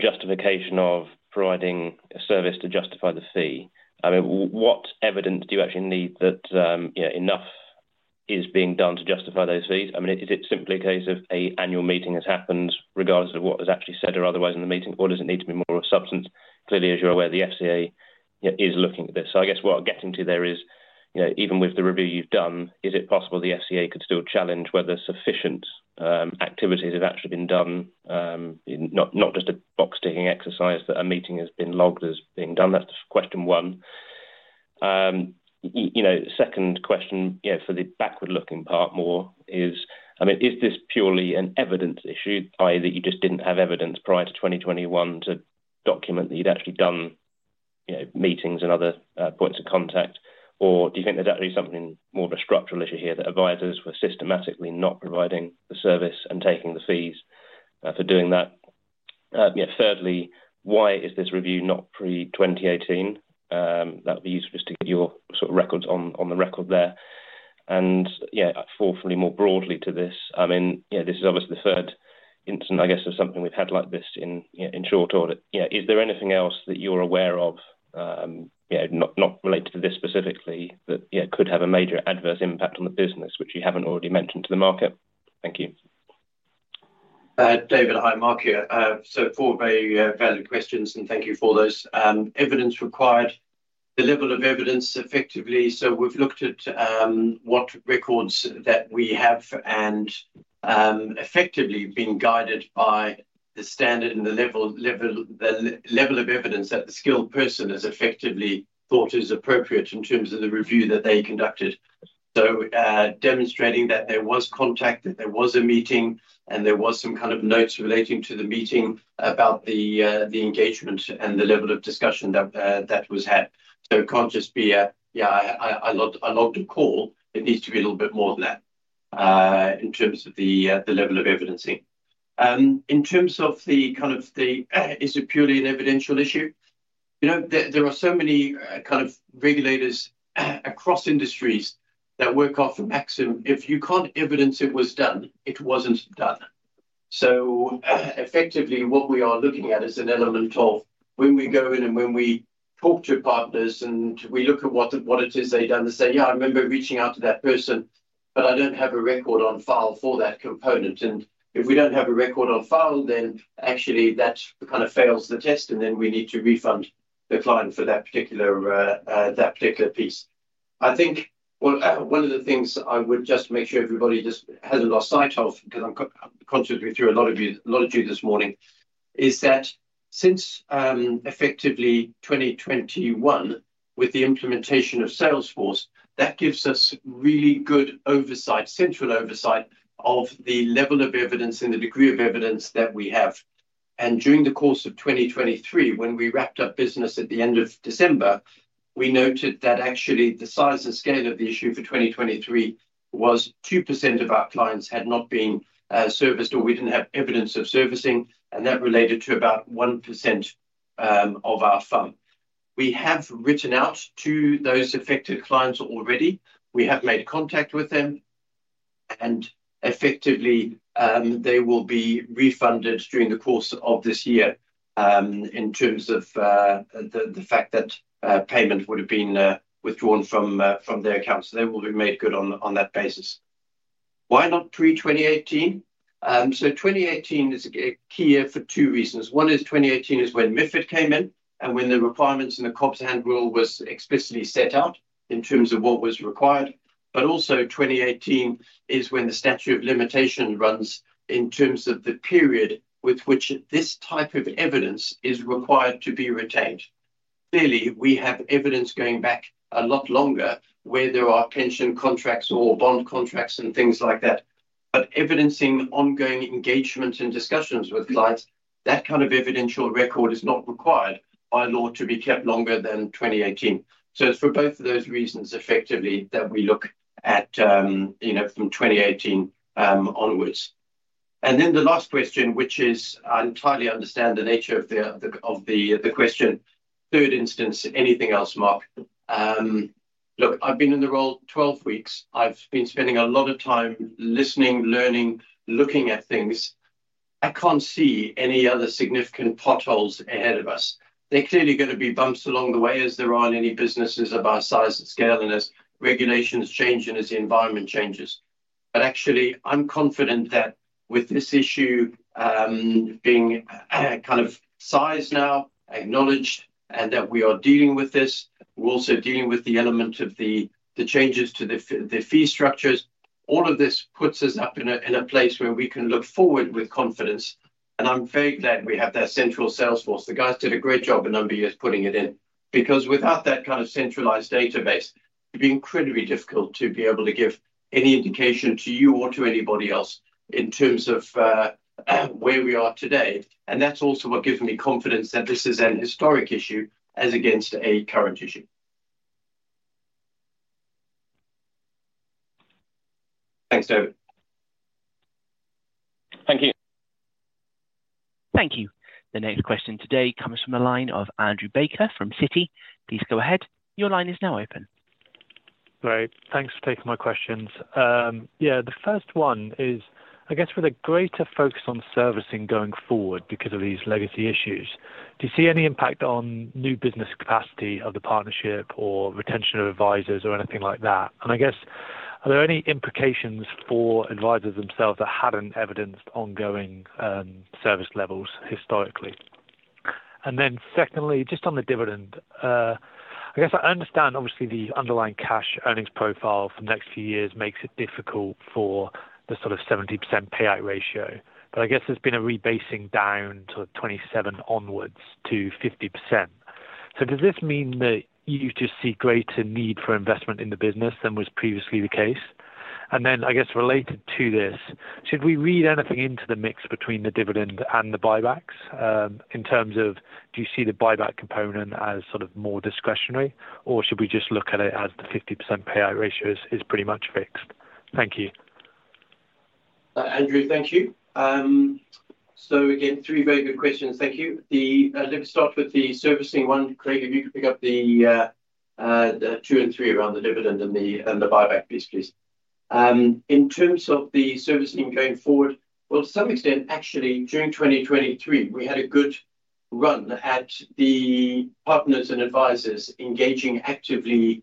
justification of providing a service to justify the fee, I mean, what evidence do you actually need that enough is being done to justify those fees? I mean, is it simply a case of an annual meeting has happened regardless of what was actually said or otherwise in the meeting, or does it need to be more of substance? Clearly, as you're aware, the FCA is looking at this. So I guess what I'm getting to there is, even with the review you've done, is it possible the FCA could still challenge whether sufficient activities have actually been done, not just a box-ticking exercise that a meeting has been logged as being done? That's question one. Second question for the backward-looking part more is, I mean, is this purely an evidence issue, i.e., that you just didn't have evidence prior to 2021 to document that you'd actually done meetings and other points of contact, or do you think there's actually something more of a structural issue here that advisors were systematically not providing the service and taking the fees for doing that? Thirdly, why is this review not pre-2018? That'll be useful just to get your sort of records on the record there. And fourthly, more broadly to this, I mean, this is obviously the third incident, I guess, of something we've had like this in short audit. Is there anything else that you're aware of, not related to this specifically, that could have a major adverse impact on the business which you haven't already mentioned to the market? Thank you. David, hi, Mark. Four very valid questions, and thank you for those. Evidence required, the level of evidence effectively. We've looked at what records that we have and effectively been guided by the standard and the level of evidence that the Skilled Person has effectively thought is appropriate in terms of the review that they conducted. Demonstrating that there was contact, that there was a meeting, and there was some kind of notes relating to the meeting about the engagement and the level of discussion that was had. It can't just be, "Yeah, I logged a call." It needs to be a little bit more than that in terms of the level of evidencing. In terms of the kind of the is it purely an evidential issue? There are so many kind of regulators across industries that work off a maxim, "If you can't evidence it was done, it wasn't done." So effectively, what we are looking at is an element of when we go in and when we talk to partners and we look at what it is they've done, they say, "Yeah, I remember reaching out to that person, but I don't have a record on file for that component." And if we don't have a record on file, then actually that kind of fails the test, and then we need to refund the client for that particular piece. I think one of the things I would just make sure everybody just hasn't lost sight of because I'm consciously through a lot of you a lot of you this morning, is that since effectively 2021 with the implementation of Salesforce, that gives us really good oversight, central oversight, of the level of evidence and the degree of evidence that we have. During the course of 2023, when we wrapped up business at the end of December, we noted that actually the size and scale of the issue for 2023 was 2% of our clients had not been serviced or we didn't have evidence of servicing, and that related to about 1% of our fund. We have written out to those affected clients already. We have made contact with them, and effectively, they will be refunded during the course of this year in terms of the fact that payment would have been withdrawn from their accounts. So they will be made good on that basis. Why not pre-2018? So 2018 is a key year for two reasons. One is 2018 is when MiFID came in and when the requirements and the COBS handbook rule was explicitly set out in terms of what was required. But also 2018 is when the statute of limitation runs in terms of the period with which this type of evidence is required to be retained. Clearly, we have evidence going back a lot longer where there are pension contracts or bond contracts and things like that. But evidencing ongoing engagement and discussions with clients, that kind of evidential record is not required by law to be kept longer than 2018. So it's for both of those reasons, effectively, that we look at from 2018 onwards. And then the last question, which is, I entirely understand the nature of the question. Third instance, anything else, Mark? Look, I've been in the role 12 weeks. I've been spending a lot of time listening, learning, looking at things. I can't see any other significant potholes ahead of us. There are clearly going to be bumps along the way as there are in any businesses of our size and scale and as regulations change and as the environment changes. But actually, I'm confident that with this issue being kind of sized now, acknowledged, and that we are dealing with this, we're also dealing with the element of the changes to the fee structures. All of this puts us up in a place where we can look forward with confidence. And I'm very glad we have that central Salesforce. The guys did a great job a number of years putting it in because without that kind of centralized database, it'd be incredibly difficult to be able to give any indication to you or to anybody else in terms of where we are today. And that's also what gives me confidence that this is a historic issue as against a current issue. Thanks, David. Thank you. Thank you. The next question today comes from the line of Andrew Baker from Citi. Please go ahead. Your line is now open. Great. Thanks for taking my questions. Yeah, the first one is, I guess, with a greater focus on servicing going forward because of these legacy issues, do you see any impact on new business capacity of the partnership or retention of advisors or anything like that? And I guess, are there any implications for advisors themselves that hadn't evidenced ongoing service levels historically? And then secondly, just on the dividend, I guess I understand, obviously, the underlying cash earnings profile for the next few years makes it difficult for the sort of 70% payout ratio. But I guess there's been a rebasing down to 27% onwards to 50%. So does this mean that you just see greater need for investment in the business than was previously the case? And then I guess related to this, should we read anything into the mix between the dividend and the buybacks in terms of do you see the buyback component as sort of more discretionary, or should we just look at it as the 50% payout ratio is pretty much fixed? Thank you. Andrew, thank you. So again, three very good questions. Thank you. Let me start with the servicing one. Craig, if you could pick up the two and three around the dividend and the buyback piece, please. In terms of the servicing going forward, well, to some extent, actually, during 2023, we had a good run at the partners and advisors engaging actively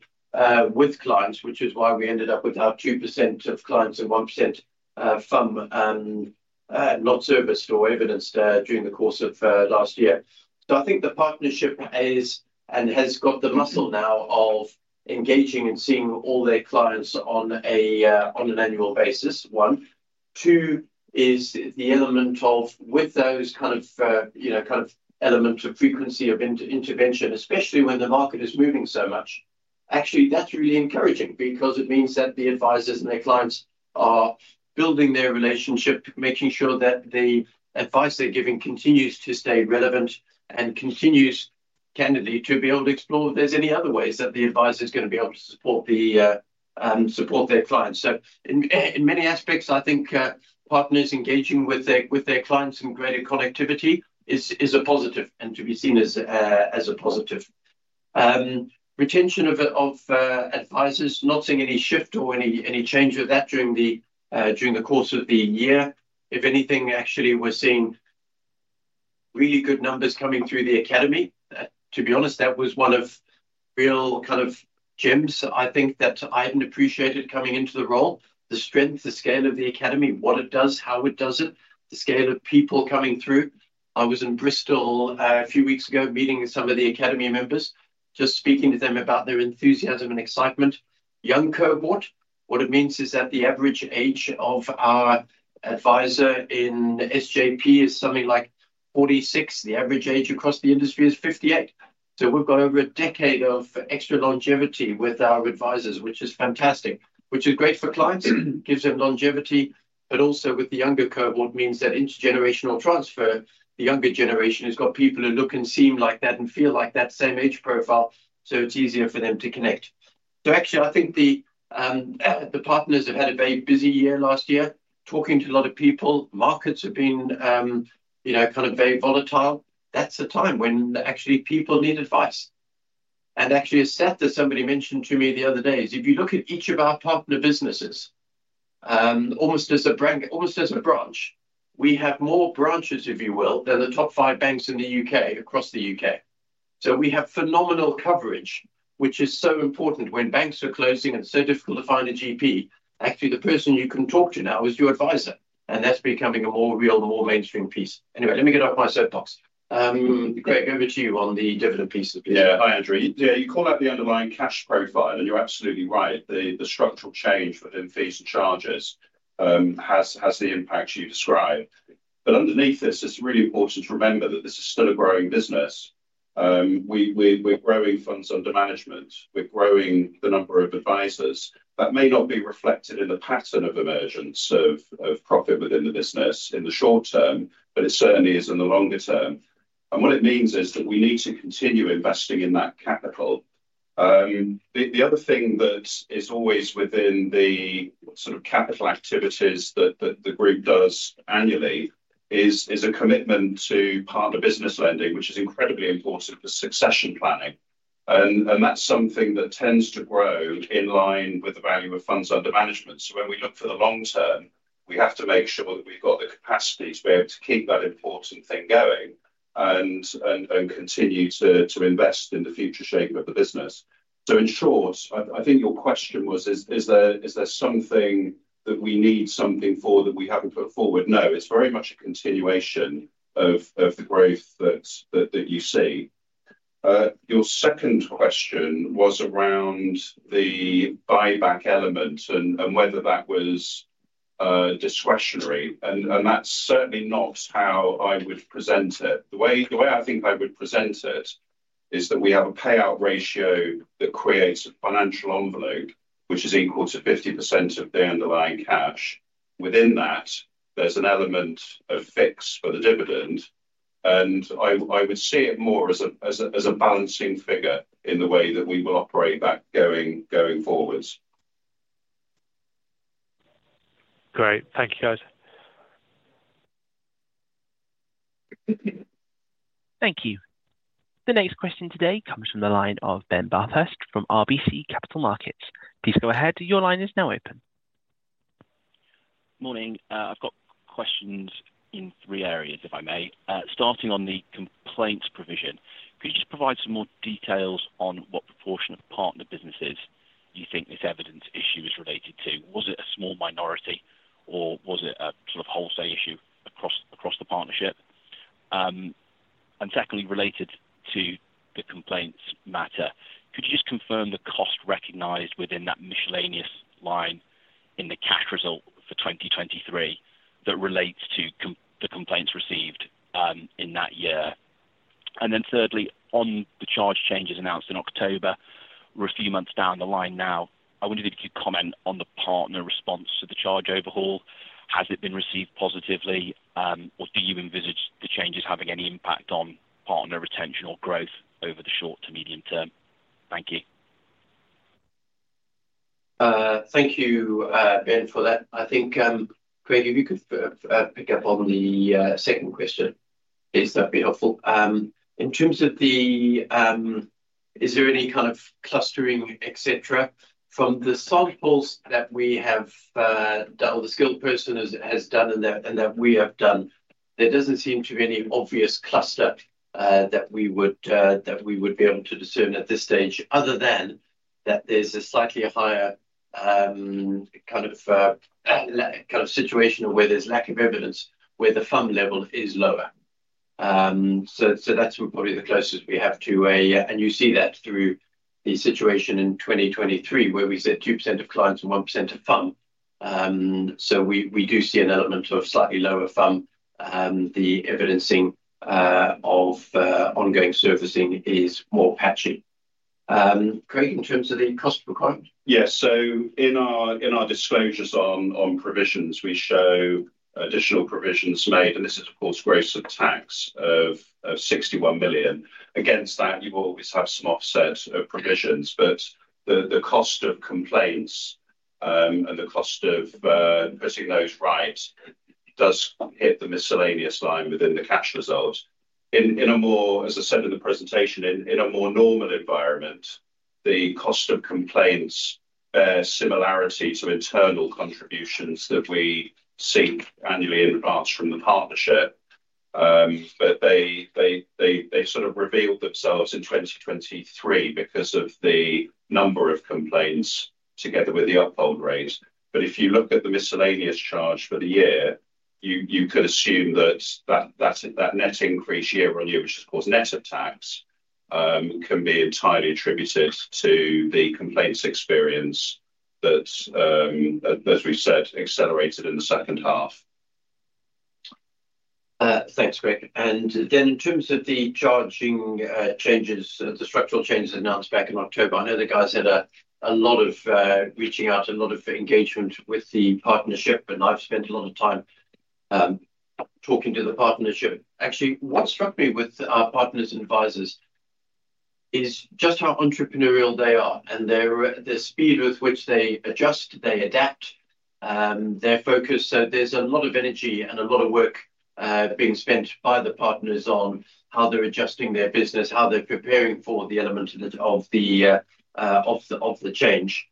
with clients, which is why we ended up with our 2% of clients and 1% fund not serviced or evidenced during the course of last year. So I think the partnership has got the muscle now of engaging and seeing all their clients on an annual basis, one. Two is the element of with those kind of element of frequency of intervention, especially when the market is moving so much. Actually, that's really encouraging because it means that the advisors and their clients are building their relationship, making sure that the advice they're giving continues to stay relevant and continues candidly to be able to explore if there's any other ways that the advisor is going to be able to support their clients. So in many aspects, I think partners engaging with their clients and greater connectivity is a positive and to be seen as a positive. Retention of advisors, not seeing any shift or any change with that during the course of the year. If anything, actually, we're seeing really good numbers coming through the academy. To be honest, that was one of real kind of gems, I think, that I hadn't appreciated coming into the role, the strength, the scale of the academy, what it does, how it does it, the scale of people coming through. I was in Bristol a few weeks ago meeting with some of the academy members, just speaking to them about their enthusiasm and excitement. Young cohort, what it means is that the average age of our advisor in SJP is something like 46. The average age across the industry is 58. So we've got over a decade of extra longevity with our advisors, which is fantastic, which is great for clients, gives them longevity. But also with the younger cohort means that intergenerational transfer, the younger generation has got people who look and seem like that and feel like that same age profile, so it's easier for them to connect. So actually, I think the partners have had a very busy year last year. Talking to a lot of people, markets have been kind of very volatile. That's a time when actually people need advice. And actually, a stat that somebody mentioned to me the other days, if you look at each of our partner businesses, almost as a branch, we have more branches, if you will, than the top five banks in the U.K. across the U.K., So we have phenomenal coverage, which is so important when banks are closing and it's so difficult to find a GP. Actually, the person you can talk to now is your advisor, and that's becoming a more real, more mainstream piece. Anyway, let me get off my soapbox. Craig, over to you on the dividend piece, please. Yeah, hi, Andrew. Yeah, you call out the underlying cash profile, and you're absolutely right. The structural change within fees and charges has the impact you describe. But underneath this, it's really important to remember that this is still a growing business. We're growing funds under management. We're growing the number of advisors. That may not be reflected in the pattern of emergence of profit within the business in the short term, but it certainly is in the longer term. And what it means is that we need to continue investing in that capital. The other thing that is always within the sort of capital activities that the group does annually is a commitment to partner business lending, which is incredibly important for succession planning. And that's something that tends to grow in line with the value of funds under management. So when we look for the long term, we have to make sure that we've got the capacity to be able to keep that important thing going and continue to invest in the future shape of the business. So in short, I think your question was, is there something that we need something for that we haven't put forward? No, it's very much a continuation of the growth that you see. Your second question was around the buyback element and whether that was discretionary. And that's certainly not how I would present it. The way I think I would present it is that we have a payout ratio that creates a financial envelope, which is equal to 50% of the underlying cash. Within that, there's an element of fix for the dividend. And I would see it more as a balancing figure in the way that we will operate that going forwards. Great. Thank you, guys. Thank you. The next question today comes from the line of Ben Bathurst from RBC Capital Markets. Please go ahead. Your line is now open. Morning. I've got questions in three areas, if I may. Starting on the complaints provision, could you just provide some more details on what proportion of partner businesses you think this evidence issue is related to? Was it a small minority, or was it a sort of wholesale issue across the partnership? Secondly, related to the complaints matter, could you just confirm the cost recognized within that miscellaneous line in the cash result for 2023 that relates to the complaints received in that year? Thirdly, on the charge changes announced in October, we're a few months down the line now. I wonder if you could comment on the partner response to the charge overhaul. Has it been received positively, or do you envisage the changes having any impact on partner retention or growth over the short to medium term? Thank you. Thank you, Ben, for that. I think, Craig, if you could pick up on the second question, please, that'd be helpful. In terms of this, is there any kind of clustering, etc., from the samples that we have done or the Skilled Person has done and that we have done, there doesn't seem to be any obvious cluster that we would be able to discern at this stage other than that there's a slightly higher kind of situation of where there's lack of evidence where the fund level is lower. So that's probably the closest we have to a and you see that through the situation in 2023 where we said 2% of clients and 1% of fund. So we do see an element of slightly lower fund. The evidencing of ongoing servicing is more patchy. Craig, in terms of the cost requirement? Yeah. So in our disclosures on provisions, we show additional provisions made, and this is, of course, gross of tax of 61 million. Against that, you always have some offset of provisions. But the cost of complaints and the cost of putting those right does hit the miscellaneous line within the cash results. As I said in the presentation, in a more normal environment, the cost of complaints bear similarity to internal contributions that we seek annually in advance from the partnership. But they sort of revealed themselves in 2023 because of the number of complaints together with the uphold rate. But if you look at the miscellaneous charge for the year, you could assume that net increase year-on-year, which has caused net of tax, can be entirely attributed to the complaints experience that, as we've said, accelerated in the second half. Thanks, Craig. And then in terms of the charging changes, the structural changes announced back in October, I know the guys had a lot of reaching out, a lot of engagement with the partnership, and I've spent a lot of time talking to the partnership. Actually, what struck me with our partners and advisors is just how entrepreneurial they are and the speed with which they adjust, they adapt, their focus. So there's a lot of energy and a lot of work being spent by the partners on how they're adjusting their business, how they're preparing for the element of the change.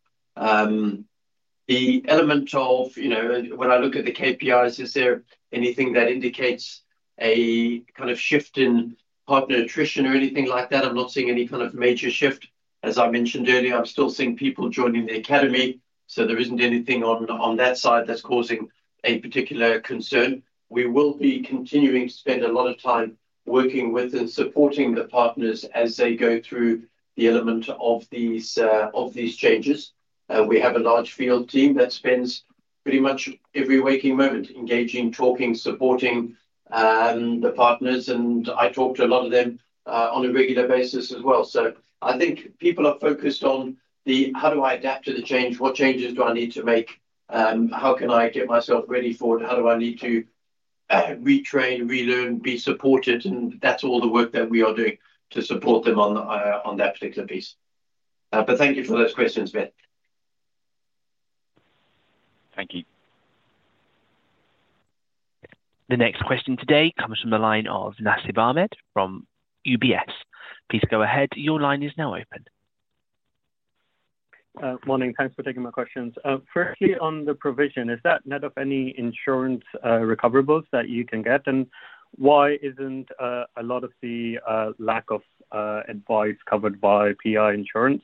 The element of when I look at the KPIs, is there anything that indicates a kind of shift in partner attrition or anything like that? I'm not seeing any kind of major shift. As I mentioned earlier, I'm still seeing people joining the academy, so there isn't anything on that side that's causing a particular concern. We will be continuing to spend a lot of time working with and supporting the partners as they go through the element of these changes. We have a large field team that spends pretty much every waking moment engaging, talking, supporting the partners. And I talk to a lot of them on a regular basis as well. So I think people are focused on the, "How do I adapt to the change? What changes do I need to make? How can I get myself ready for it? How do I need to retrain, relearn, be supported?" And that's all the work that we are doing to support them on that particular piece. But thank you for those questions, Ben. Thank you. The next question today comes from the line of Nasib Ahmed from UBS. Please go ahead. Your line is now open. Morning. Thanks for taking my questions. Firstly, on the provision, is that net of any insurance recoverables that you can get? And why isn't a lot of the lack of advice covered by PI insurance?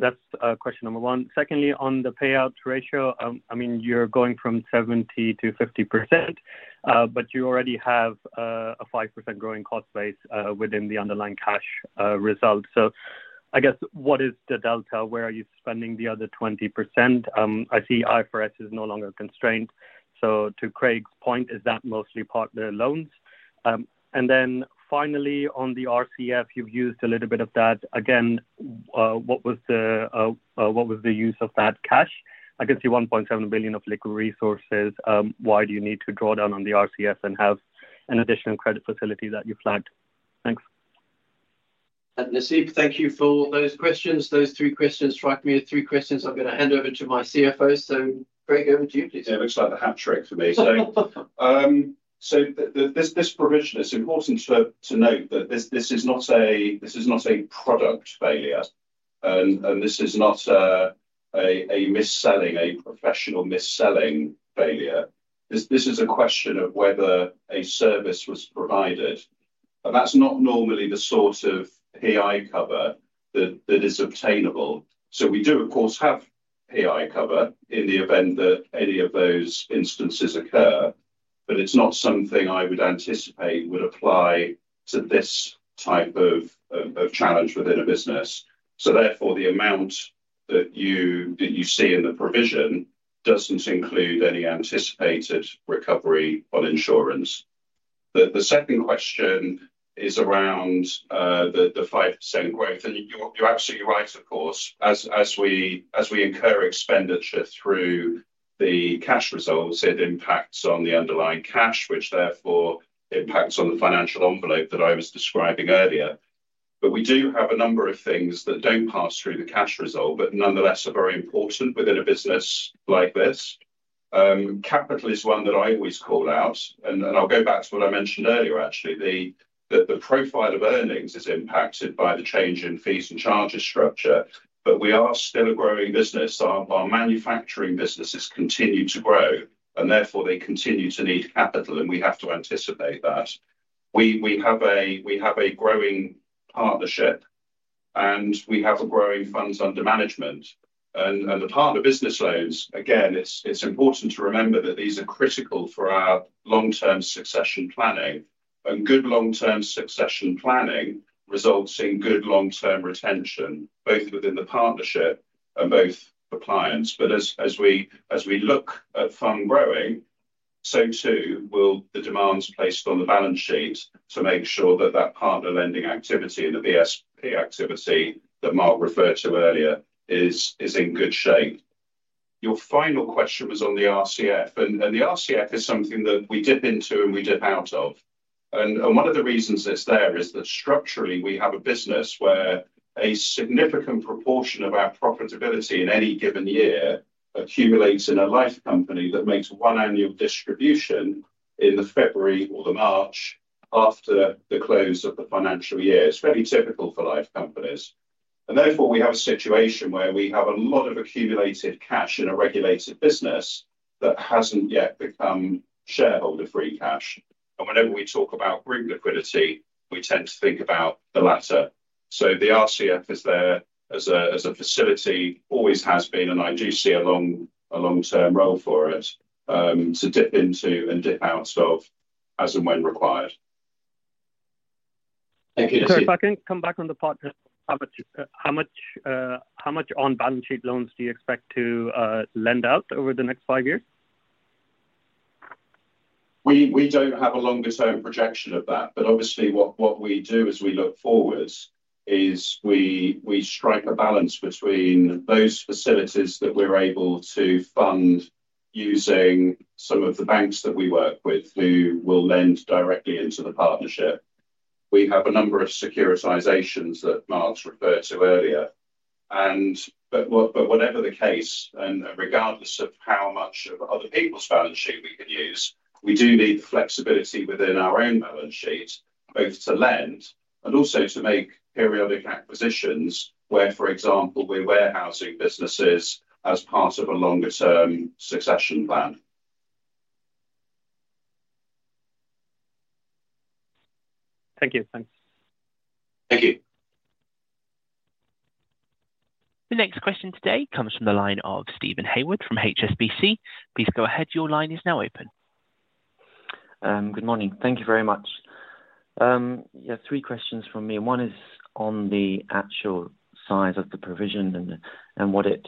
That's question number one. Secondly, on the payout ratio, I mean, you're going from 70%-50%, but you already have a 5% growing cost base within the underlying cash result. So I guess what is the delta? Where are you spending the other 20%? I see IFRS is no longer constrained. So to Craig's point, is that mostly partner loans? And then finally, on the RCF, you've used a little bit of that. Again, what was the use of that cash? I can see 1.7 billion of liquid resources. Why do you need to draw down on the RCF and have an additional credit facility that you flagged? Thanks. Nasib, thank you for those questions. Those three questions strike me. The three questions, I'm going to hand over to my CFO. So Craig, over to you, please. Yeah, it looks like the hat trick for me. So this provision, it's important to note that this is not a product failure, and this is not a mis-selling, a professional mis-selling failure. This is a question of whether a service was provided. And that's not normally the sort of PI cover that is obtainable. So we do, of course, have PI cover in the event that any of those instances occur, but it's not something I would anticipate would apply to this type of challenge within a business. So therefore, the amount that you see in the provision doesn't include any anticipated recovery on insurance. The second question is around the 5% growth. And you're absolutely right, of course. As we incur expenditure through the cash results, it impacts on the underlying cash, which therefore impacts on the financial envelope that I was describing earlier. But we do have a number of things that don't pass through the cash result but nonetheless are very important within a business like this. Capital is one that I always call out. And I'll go back to what I mentioned earlier, actually. The profile of earnings is impacted by the change in fees and charges structure, but we are still a growing business. Our manufacturing businesses continue to grow, and therefore, they continue to need capital, and we have to anticipate that. We have a growing partnership, and we have a growing funds under management. The partner business loans, again, it's important to remember that these are critical for our long-term succession planning. Good long-term succession planning results in good long-term retention, both within the partnership and both for clients. But as we look at funds growing, so too will the demands placed on the balance sheet to make sure that that partner lending activity and the BSP activity that Mark referred to earlier is in good shape. Your final question was on the RCF. The RCF is something that we dip into and we dip out of. One of the reasons it's there is that structurally, we have a business where a significant proportion of our profitability in any given year accumulates in a life company that makes one annual distribution in the February or the March after the close of the financial year. It's very typical for life companies. And therefore, we have a situation where we have a lot of accumulated cash in a regulated business that hasn't yet become shareholder-free cash. And whenever we talk about group liquidity, we tend to think about the latter. So the RCF is there as a facility, always has been, and I do see a long-term role for it to dip into and dip out of as and when required. Thank you, Nasib. Craig, if I can come back on the partners, how much on-balance sheet loans do you expect to lend out over the next five years? We don't have a longer-term projection of that. But obviously, what we do as we look forward is we strike a balance between those facilities that we're able to fund using some of the banks that we work with who will lend directly into the partnership. We have a number of securitizations that Mark's referred to earlier. But whatever the case, and regardless of how much of other people's balance sheet we can use, we do need the flexibility within our own balance sheet, both to lend and also to make periodic acquisitions where, for example, we're warehousing businesses as part of a longer-term succession plan. Thank you. Thanks. Thank you. The next question today comes from the line of Stephen Hayward from HSBC. Please go ahead. Your line is now open. Good morning. Thank you very much. Yeah, three questions from me. One is on the actual size of the provision and what it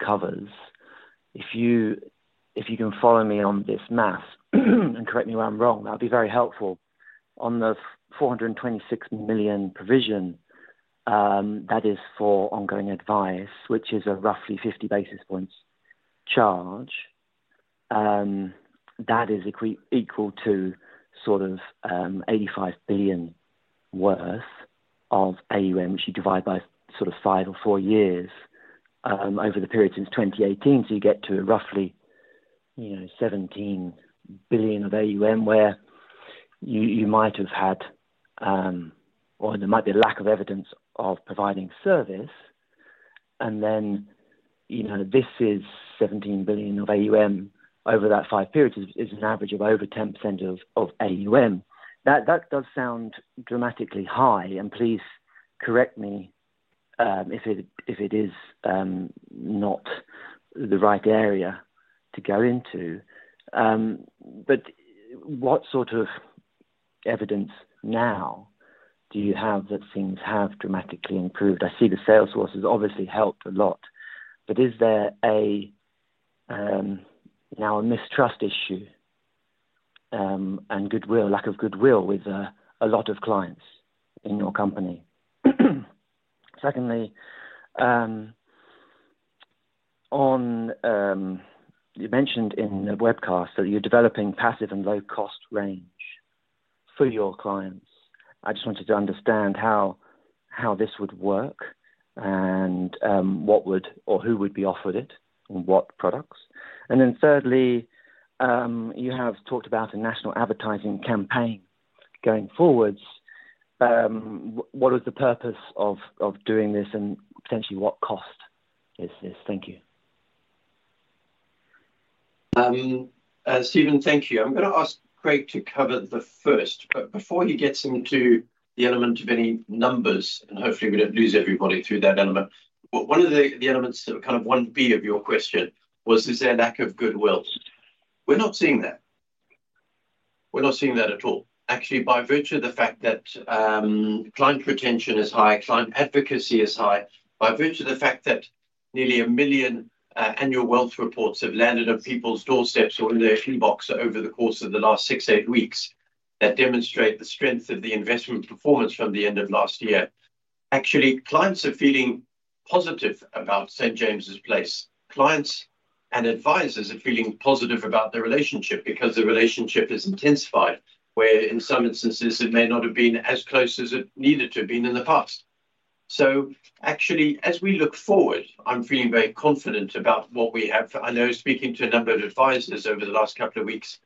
covers. If you can follow me on this math and correct me where I'm wrong, that would be very helpful. On the 426 million provision that is for ongoing advice, which is a roughly 50 basis points charge, that is equal to sort of 85 billion worth of AUM, which you divide by sort of 5 or 4 years over the period since 2018. So you get to roughly 17 billion of AUM where you might have had or there might be a lack of evidence of providing service. And then this is 17 billion of AUM over that 5 periods is an average of over 10% of AUM. That does sound dramatically high. Please correct me if it is not the right area to go into. But what sort of evidence now do you have that things have dramatically improved? I see the Salesforce obviously helped a lot. But is there now a mistrust issue and lack of goodwill with a lot of clients in your company? Secondly, you mentioned in the webcast that you're developing passive and low-cost range for your clients. I just wanted to understand how this would work and what would or who would be offered it and what products. And then thirdly, you have talked about a national advertising campaign going forward. What was the purpose of doing this, and potentially, what cost is this? Thank you. Stephen, thank you. I'm going to ask Craig to cover the first. But before he gets into the element of any numbers, and hopefully, we don't lose everybody through that element, one of the elements that were kind of 1B of your question was, is there lack of goodwill? We're not seeing that. We're not seeing that at all, actually, by virtue of the fact that client retention is high, client advocacy is high. By virtue of the fact that nearly 1 million annual wealth reports have landed on people's doorsteps or in their inbox over the course of the last 6-8 weeks that demonstrate the strength of the investment performance from the end of last year, actually, clients are feeling positive about St. James's Place. Clients and advisors are feeling positive about the relationship because the relationship is intensified where, in some instances, it may not have been as close as it needed to have been in the past. So actually, as we look forward, I'm feeling very confident about what we have. I know speaking to a number of advisors over the last couple of weeks,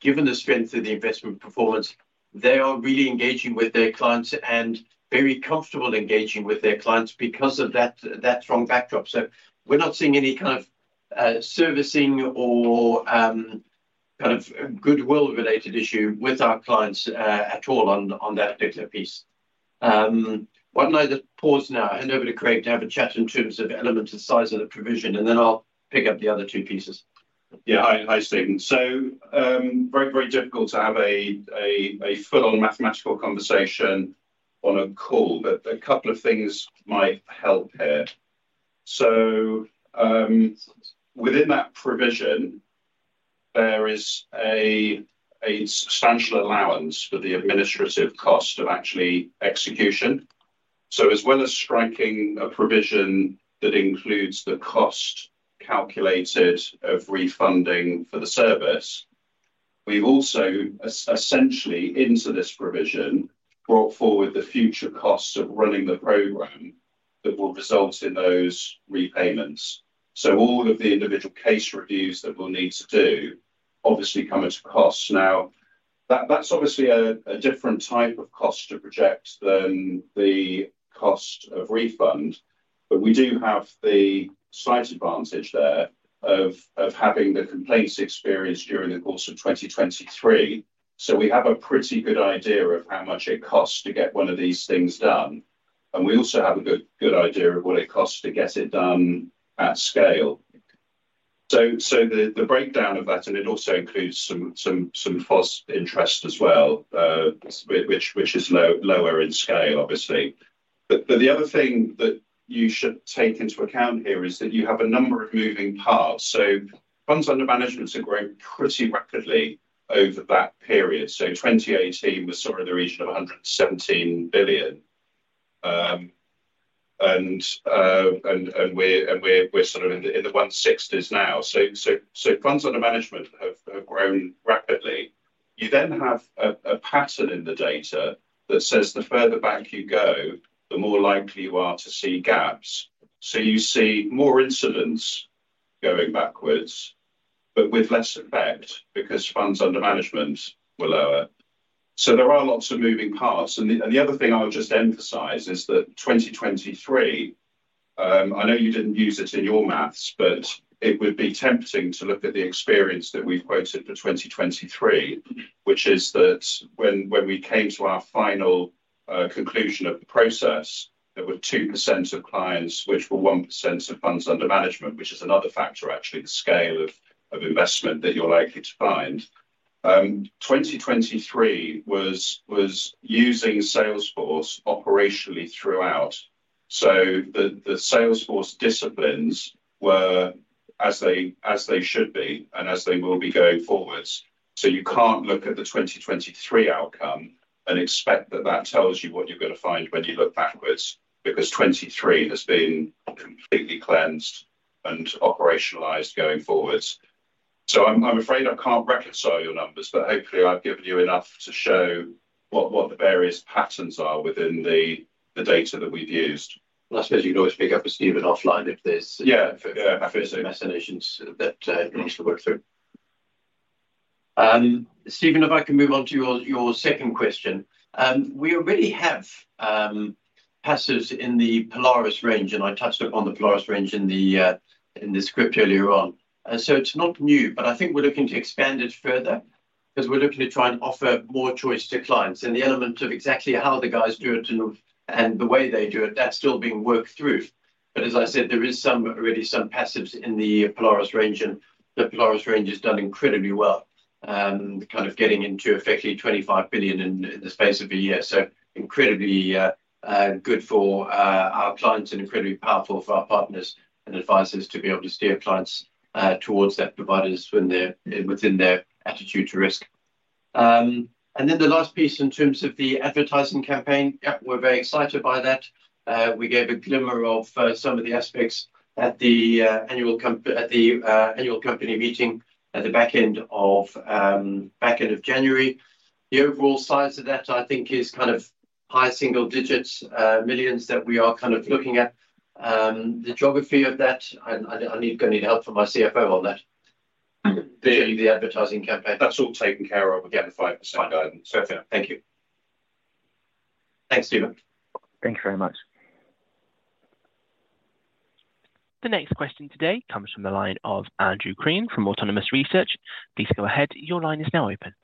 given the strength of the investment performance, they are really engaging with their clients and very comfortable engaging with their clients because of that strong backdrop. So we're not seeing any kind of servicing or kind of goodwill-related issue with our clients at all on that particular piece. Why don't I just pause now, hand over to Craig to have a chat in terms of element of the size of the provision, and then I'll pick up the other two pieces. Yeah, hi, Stephen. So very, very difficult to have a full-on mathematical conversation on a call. But a couple of things might help here. So within that provision, there is a substantial allowance for the administrative cost of actually execution. So as well as striking a provision that includes the cost calculated of refunding for the service, we've also essentially, into this provision, brought forward the future costs of running the program that will result in those repayments. So all of the individual case reviews that we'll need to do obviously come at a cost. Now, that's obviously a different type of cost to project than the cost of refund. But we do have the slight advantage there of having the complaints experienced during the course of 2023. So we have a pretty good idea of how much it costs to get one of these things done. And we also have a good idea of what it costs to get it done at scale. So the breakdown of that, and it also includes some FOS interest as well, which is lower in scale, obviously. The other thing that you should take into account here is that you have a number of moving parts. So funds under management are growing pretty rapidly over that period. So 2018 was sort of in the region of 117 billion. And we're sort of in the GBP 160s now. So funds under management have grown rapidly. You then have a pattern in the data that says the further back you go, the more likely you are to see gaps. So you see more incidents going backwards but with less effect because funds under management were lower. So there are lots of moving parts. The other thing I'll just emphasize is that 2023, I know you didn't use it in your math, but it would be tempting to look at the experience that we've quoted for 2023, which is that when we came to our final conclusion of the process, there were 2% of clients which were 1% of funds under management, which is another factor, actually, the scale of investment that you're likely to find. 2023 was using Salesforce operationally throughout. So the Salesforce disciplines were as they should be and as they will be going forwards. So you can't look at the 2023 outcome and expect that that tells you what you're going to find when you look backwards because 2023 has been completely cleansed and operationalized going forwards. So I'm afraid I can't reconcile your numbers. But hopefully, I've given you enough to show what the various patterns are within the data that we've used. I suppose you can always pick up with Stephen offline if there's some recitations that you want us to work through. Stephen, if I can move on to your second question. We already have passives in the Polaris range, and I touched upon the Polaris range in the script earlier on. So it's not new. But I think we're looking to expand it further because we're looking to try and offer more choice to clients. And the element of exactly how the guys do it and the way they do it, that's still being worked through. But as I said, there is already some passives in the Polaris range. And the Polaris range has done incredibly well kind of getting into, effectively, 25 billion in the space of a year. So incredibly good for our clients and incredibly powerful for our partners and advisors to be able to steer clients towards that providers within their attitude to risk. And then the last piece in terms of the advertising campaign, yep, we're very excited by that. We gave a glimmer of some of the aspects at the annual company meeting at the back end of January. The overall size of that, I think, is kind of high single digits millions that we are kind of looking at. The geography of that, I'm going to need help from my CFO on that, showing you the advertising campaign. That's all taken care of. We've got the 5% guidance. Perfect. Thank you. Thanks, Stephen. Thank you very much. The next question today comes from the line of Andrew Crean from Autonomous Research. Please go ahead. Your line is now open.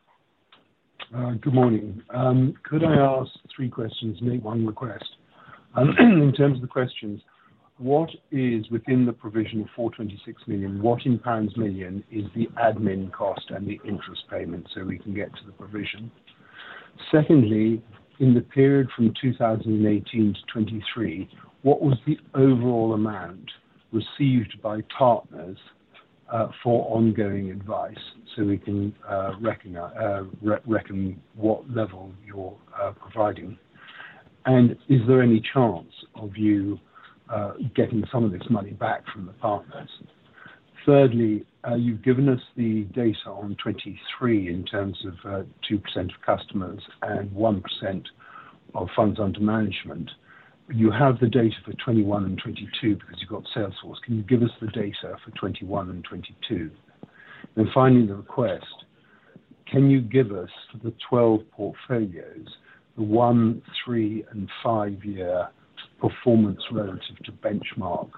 Good morning. Could I ask three questions and make one request? In terms of the questions, what is within the provision of 426 million? What, in pounds million, is the admin cost and the interest payment so we can get to the provision? Secondly, in the period from 2018 to 2023, what was the overall amount received by partners for ongoing advice so we can reckon what level you're providing? And is there any chance of you getting some of this money back from the partners? Thirdly, you've given us the data on 2023 in terms of 2% of customers and 1% of funds under management. You have the data for 2021 and 2022 because you've got Salesforce. Can you give us the data for 2021 and 2022? And then finally, the request, can you give us for the 12 portfolios the one, three, and five-year performance relative to benchmark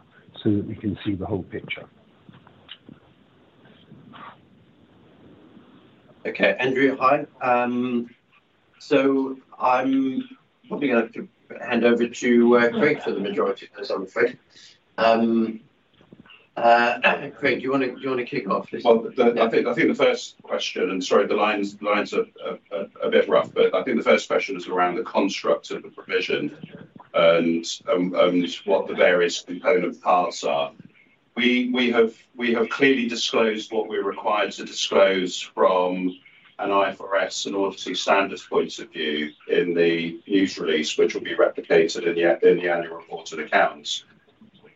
so that we can see the whole picture? Okay. Andrew, hi. So I'm probably going to hand over to Craig for the majority of those, I'm afraid. Craig, do you want to kick off, please? Well, I think the first question and sorry, the line's a bit rough. But I think the first question is around the construct of the provision and what the various component parts are. We have clearly disclosed what we're required to disclose from an IFRS and auditing standards point of view in the news release, which will be replicated in the annual report and accounts.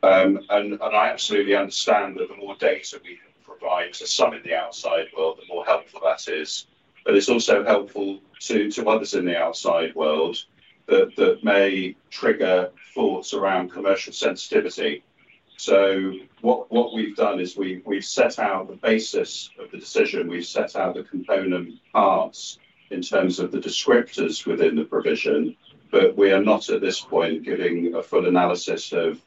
And I absolutely understand that the more data we can provide to some in the outside world, the more helpful that is. But it's also helpful to others in the outside world that may trigger thoughts around commercial sensitivity. So what we've done is we've set out the basis of the decision. We've set out the component parts in terms of the descriptors within the provision. But we are not, at this point, giving a full analysis of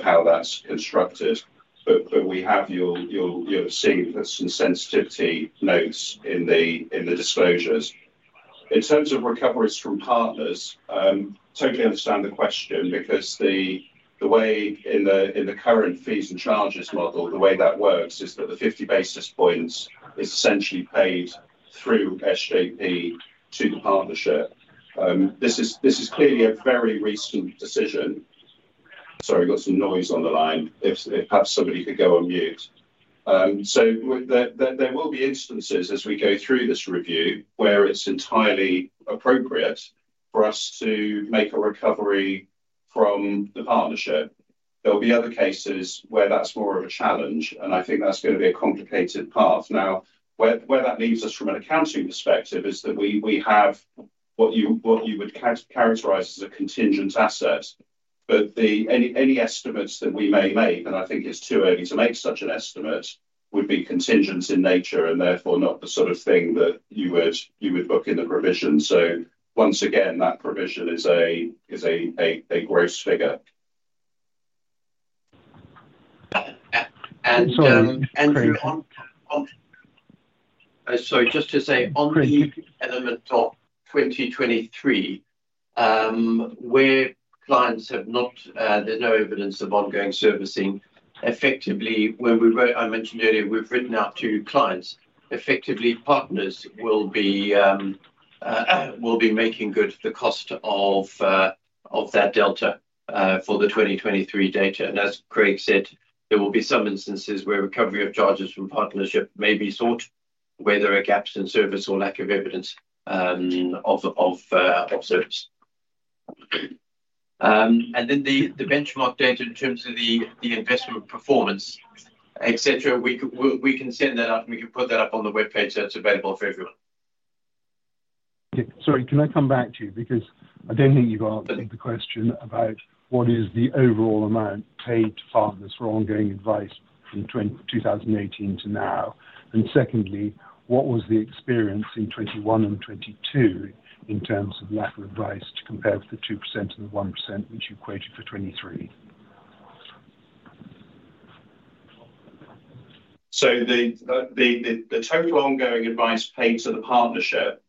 how that's constructed. But we have. You'll have seen some sensitivity notes in the disclosures. In terms of recoveries from partners, totally understand the question because the way in the current fees and charges model, the way that works is that the 50 basis points is essentially paid through SJP to the partnership. This is clearly a very recent decision. Sorry, I've got some noise on the line. If perhaps somebody could go on mute. So there will be instances as we go through this review where it's entirely appropriate for us to make a recovery from the partnership. There'll be other cases where that's more of a challenge. And I think that's going to be a complicated path. Now, where that leaves us from an accounting perspective is that we have what you would characterise as a contingent asset. But any estimates that we may make, and I think it's too early to make such an estimate, would be contingent in nature and therefore not the sort of thing that you would book in the provision. So once again, that provision is a gross figure. And so just to say, on the element of 2023, where clients have not there's no evidence of ongoing servicing, effectively, when we wrote I mentioned earlier, we've written out to clients. Effectively, partners will be making good for the cost of that delta for the 2023 data. And as Craig said, there will be some instances where recovery of charges from partnership may be sought where there are gaps in service or lack of evidence of service. And then the benchmark data in terms of the investment performance, etc., we can send that out. And we can put that up on the webpage so it's available for everyone. Sorry, can I come back to you? Because I don't think you've answered the question about what is the overall amount paid to partners for ongoing advice from 2018 to now? And secondly, what was the experience in 2021 and 2022 in terms of lack of advice to compare with the 2% and the 1% which you quoted for 2023? So the total ongoing advice paid to the partnership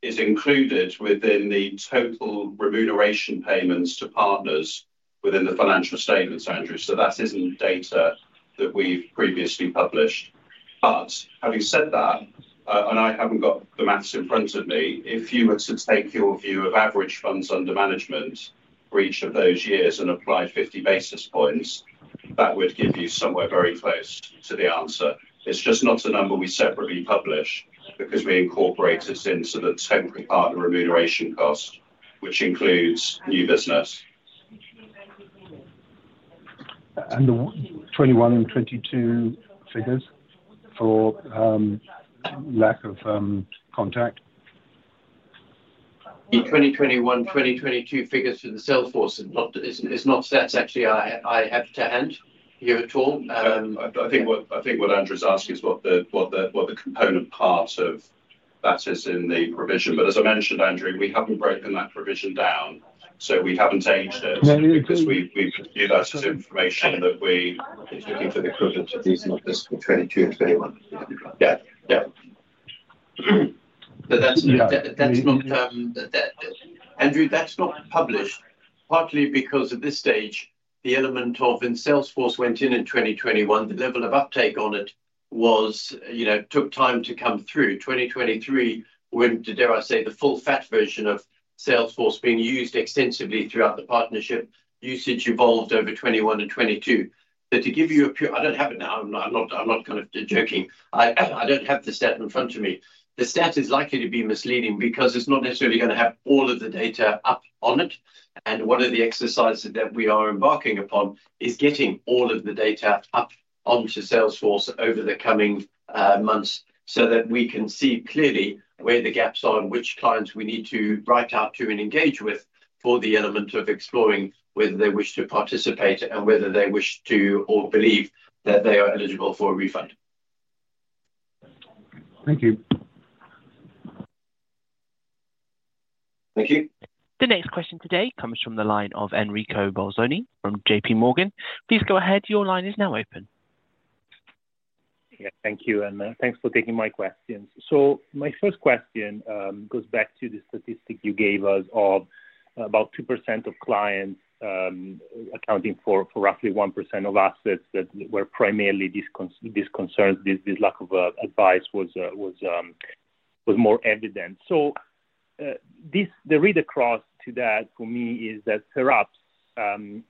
is included within the total remuneration payments to partners within the financial statements, Andrew. So that isn't data that we've previously published. But having said that, and I haven't got the math in front of me, if you were to take your view of average funds under management for each of those years and apply 50 basis points, that would give you somewhere very close to the answer. It's just not a number we separately publish because we incorporate it into the temporary partner remuneration cost, which includes new business. And the 2021 and 2022 figures for lack of contact? The 2021, 2022 figures for the Salesforce, it's not that's actually I have to hand here at all. I think what Andrew's asking is what the component part of that is in the provision. But as I mentioned, Andrew, we haven't broken that provision down. So we haven't changed it because we view that as information that we, it's looking for the equivalent of reasonable business for 2022 and 2021. Yeah. Yeah. But that's not Andrew, that's not published partly because at this stage, the element of in Salesforce went in in 2021, the level of uptake on it took time to come through. 2023, when, dare I say, the full fat version of Salesforce being used extensively throughout the partnership, usage evolved over 2021 and 2022. But to give you a pure, I don't have it now. I'm not kind of joking. I don't have the stat in front of me. The stat is likely to be misleading because it's not necessarily going to have all of the data up on it. One of the exercises that we are embarking upon is getting all of the data up onto Salesforce over the coming months so that we can see clearly where the gaps are and which clients we need to write out to and engage with for the element of exploring whether they wish to participate and whether they wish to or believe that they are eligible for a refund. Thank you. Thank you. The next question today comes from the line of Enrico Bolzoni from JPMorgan. Please go ahead. Your line is now open. Yeah. Thank you. And thanks for taking my questions. So my first question goes back to the statistic you gave us of about 2% of clients accounting for roughly 1% of assets that were primarily this concern. This lack of advice was more evident. So the read across to that for me is that perhaps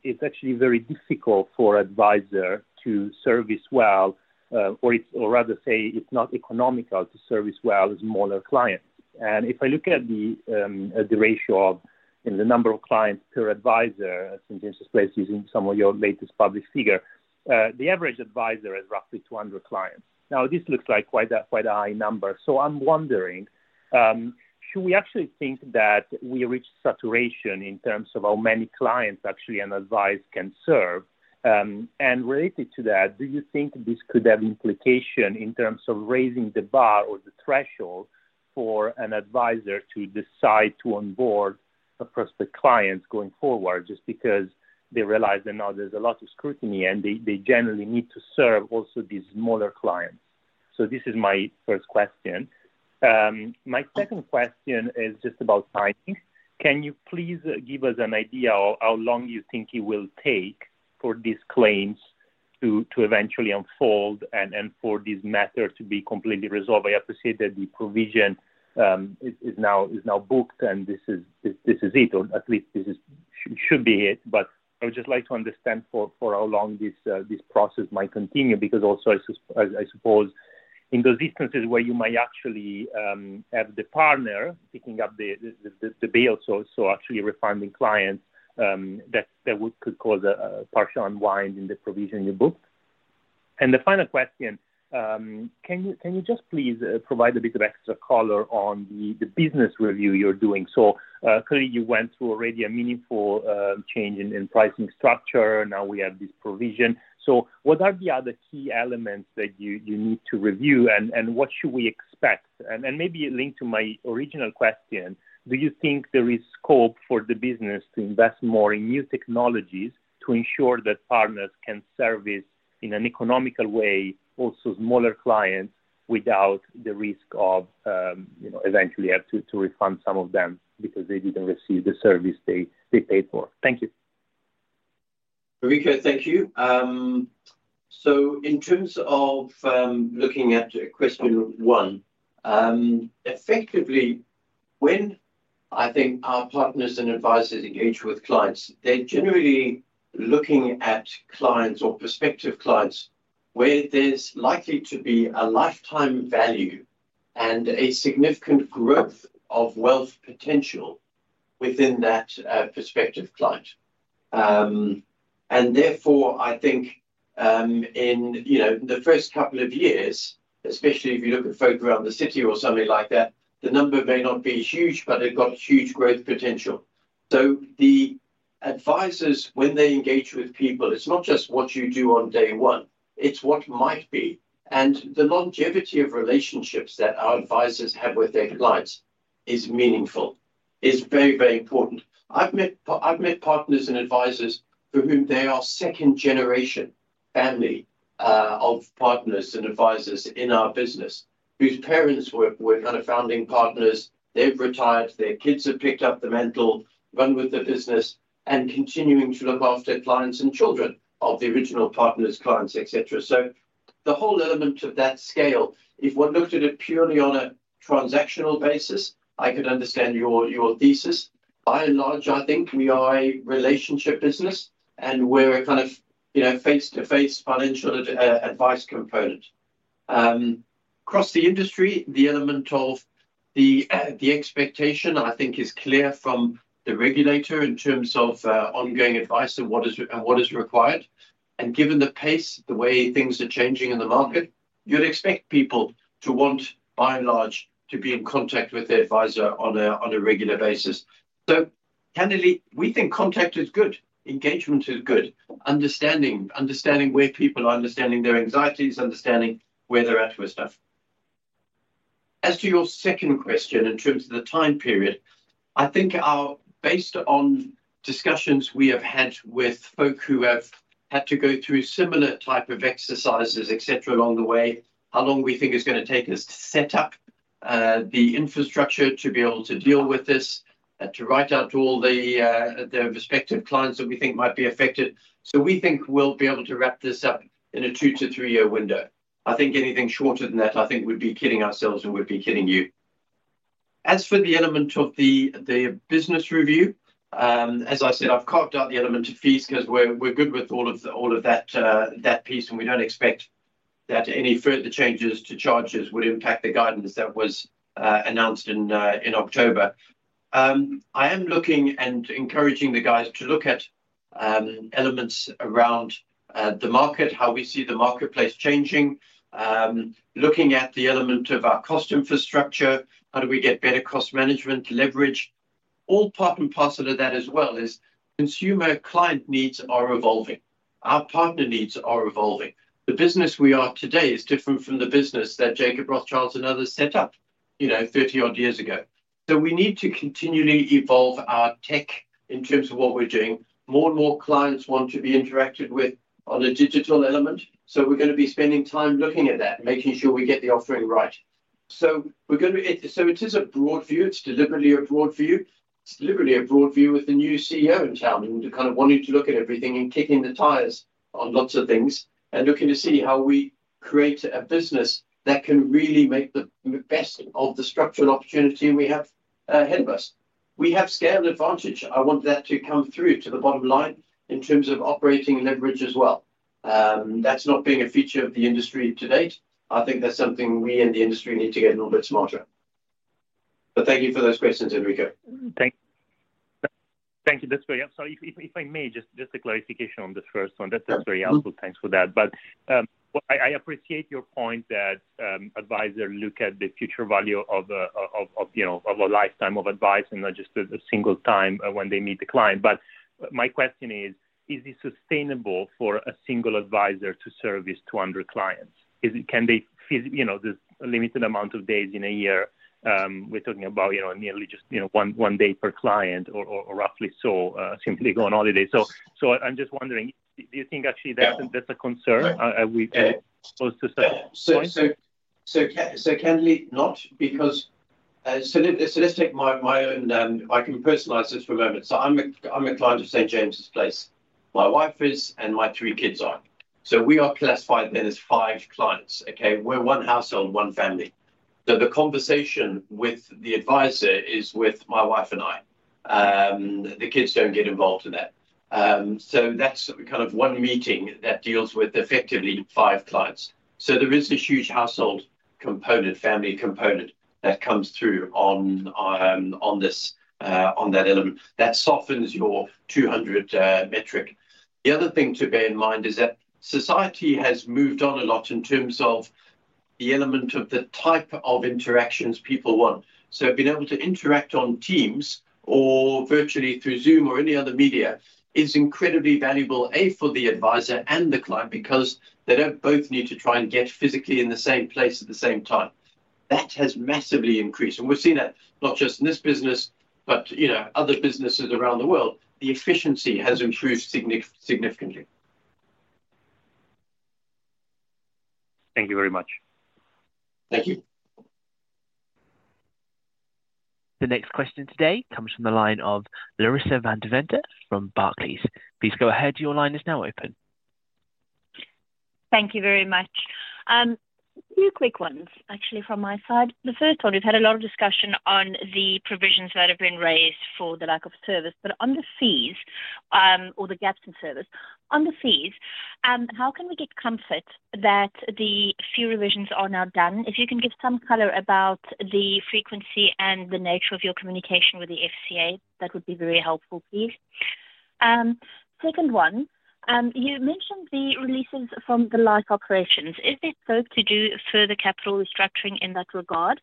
it's actually very difficult for an advisor to service well or rather say it's not economical to service well smaller clients. And if I look at the ratio of in the number of clients per advisor, St. James's Place, using some of your latest published figure, the average advisor has roughly 200 clients. Now, this looks like quite a high number. So I'm wondering, should we actually think that we reached saturation in terms of how many clients actually an advisor can serve? And related to that, do you think this could have implication in terms of raising the bar or the threshold for an advisor to decide to onboard a prospect client going forward just because they realize that, no, there's a lot of scrutiny, and they generally need to serve also these smaller clients? This is my first question. My second question is just about timing. Can you please give us an idea of how long you think it will take for these claims to eventually unfold and for this matter to be completely resolved? I appreciate that the provision is now booked. This is it. Or at least, this should be it. I would just like to understand for how long this process might continue because also, I suppose, in those instances where you might actually have the partner picking up the bill, so actually refunding clients, that could cause a partial unwind in the provision you booked. The final question, can you just please provide a bit of extra color on the business review you're doing? Clearly, you went through already a meaningful change in pricing structure. Now, we have this provision. What are the other key elements that you need to review? And what should we expect? And maybe it linked to my original question, do you think there is scope for the business to invest more in new technologies to ensure that partners can service in an economical way also smaller clients without the risk of eventually having to refund some of them because they didn't receive the service they paid for? Thank you. Enrico, thank you. In terms of looking at question one, effectively, when I think our partners and advisors engage with clients, they're generally looking at clients or prospective clients where there's likely to be a lifetime value and a significant growth of wealth potential within that prospective client. And therefore, I think in the first couple of years, especially if you look at folk around the city or something like that, the number may not be huge, but it got huge growth potential. So the advisors, when they engage with people, it's not just what you do on day one. It's what might be. And the longevity of relationships that our advisors have with their clients is meaningful, is very, very important. I've met partners and advisors for whom they are second-generation family of partners and advisors in our business whose parents were kind of founding partners. They've retired. Their kids have picked up the mantle, run with the business, and continuing to look after clients and children of the original partners, clients, etc. So the whole element of that scale, if one looked at it purely on a transactional basis, I could understand your thesis. By and large, I think we are a relationship business. We're a kind of face-to-face financial advice component. Across the industry, the element of the expectation, I think, is clear from the regulator in terms of ongoing advice and what is required. Given the pace, the way things are changing in the market, you'd expect people to want, by and large, to be in contact with their advisor on a regular basis. Candidly, we think contact is good. Engagement is good. Understanding where people are, understanding their anxieties, understanding where they're at with stuff. As to your second question in terms of the time period, I think based on discussions we have had with folk who have had to go through similar type of exercises, etc., along the way, how long we think it's going to take us to set up the infrastructure to be able to deal with this, to write out to all their respective clients that we think might be affected. So we think we'll be able to wrap this up in a 2-3-year window. I think anything shorter than that, I think, would be kidding ourselves and would be kidding you. As for the element of the business review, as I said, I've carved out the element of fees because we're good with all of that piece. We don't expect that any further changes to charges would impact the guidance that was announced in October. I am looking and encouraging the guys to look at elements around the market, how we see the marketplace changing, looking at the element of our cost infrastructure, how do we get better cost management leverage. All part and parcel of that as well is consumer client needs are evolving. Our partner needs are evolving. The business we are today is different from the business that Jacob Rothschild and others set up 30-odd years ago. So we need to continually evolve our tech in terms of what we're doing. More and more clients want to be interacted with on a digital element. So we're going to be spending time looking at that, making sure we get the offering right. So it is a broad view. It's deliberately a broad view. It's deliberately a broad view with the new CEO in town and kind of wanting to look at everything and kicking the tires on lots of things and looking to see how we create a business that can really make the best of the structural opportunity we have ahead of us. We have scale advantage. I want that to come through to the bottom line in terms of operating leverage as well. That's not being a feature of the industry to date. I think that's something we and the industry need to get a little bit smarter. But thank you for those questions, Enrico. Thank you. That's very helpful. So if I may, just a clarification on this first one. That's very helpful. Thanks for that. But I appreciate your point that advisors look at the future value of a lifetime of advice and not just a single time when they meet the client. But my question is, is it sustainable for a single advisor to service 200 clients? Can they? There's a limited amount of days in a year. We're talking about nearly just one day per client or roughly so, simply go on holiday. So I'm just wondering, do you think actually that's a concern as opposed to such a point? So candidly, not because so let's take my own I can personalize this for a moment. So I'm a client of St. James's Place. My wife is and my three kids are. So we are classified then as five clients, okay? We're one household, one family. So the conversation with the advisor is with my wife and I. The kids don't get involved in that. So that's kind of one meeting that deals with effectively five clients. So there is this huge household component, family component that comes through on that element that softens your 200 metric. The other thing to bear in mind is that society has moved on a lot in terms of the element of the type of interactions people want. So being able to interact on Teams or virtually through Zoom or any other media is incredibly valuable, A, for the advisor and the client because they don't both need to try and get physically in the same place at the same time. That has massively increased. And we've seen that not just in this business, but other businesses around the world. The efficiency has improved significantly. Thank you very much. Thank you. The next question today comes from the line of Larissa van Deventer from Barclays. Please go ahead. Your line is now open. Thank you very much. A few quick ones, actually, from my side. The first one, we've had a lot of discussion on the provisions that have been raised for the lack of service. But on the fees or the gaps in service, on the fees, how can we get comfort that the fee revisions are now done? If you can give some color about the frequency and the nature of your communication with the FCA, that would be very helpful, please. Second one, you mentioned the releases from the live operations. Is it folks to do further capital restructuring in that regard?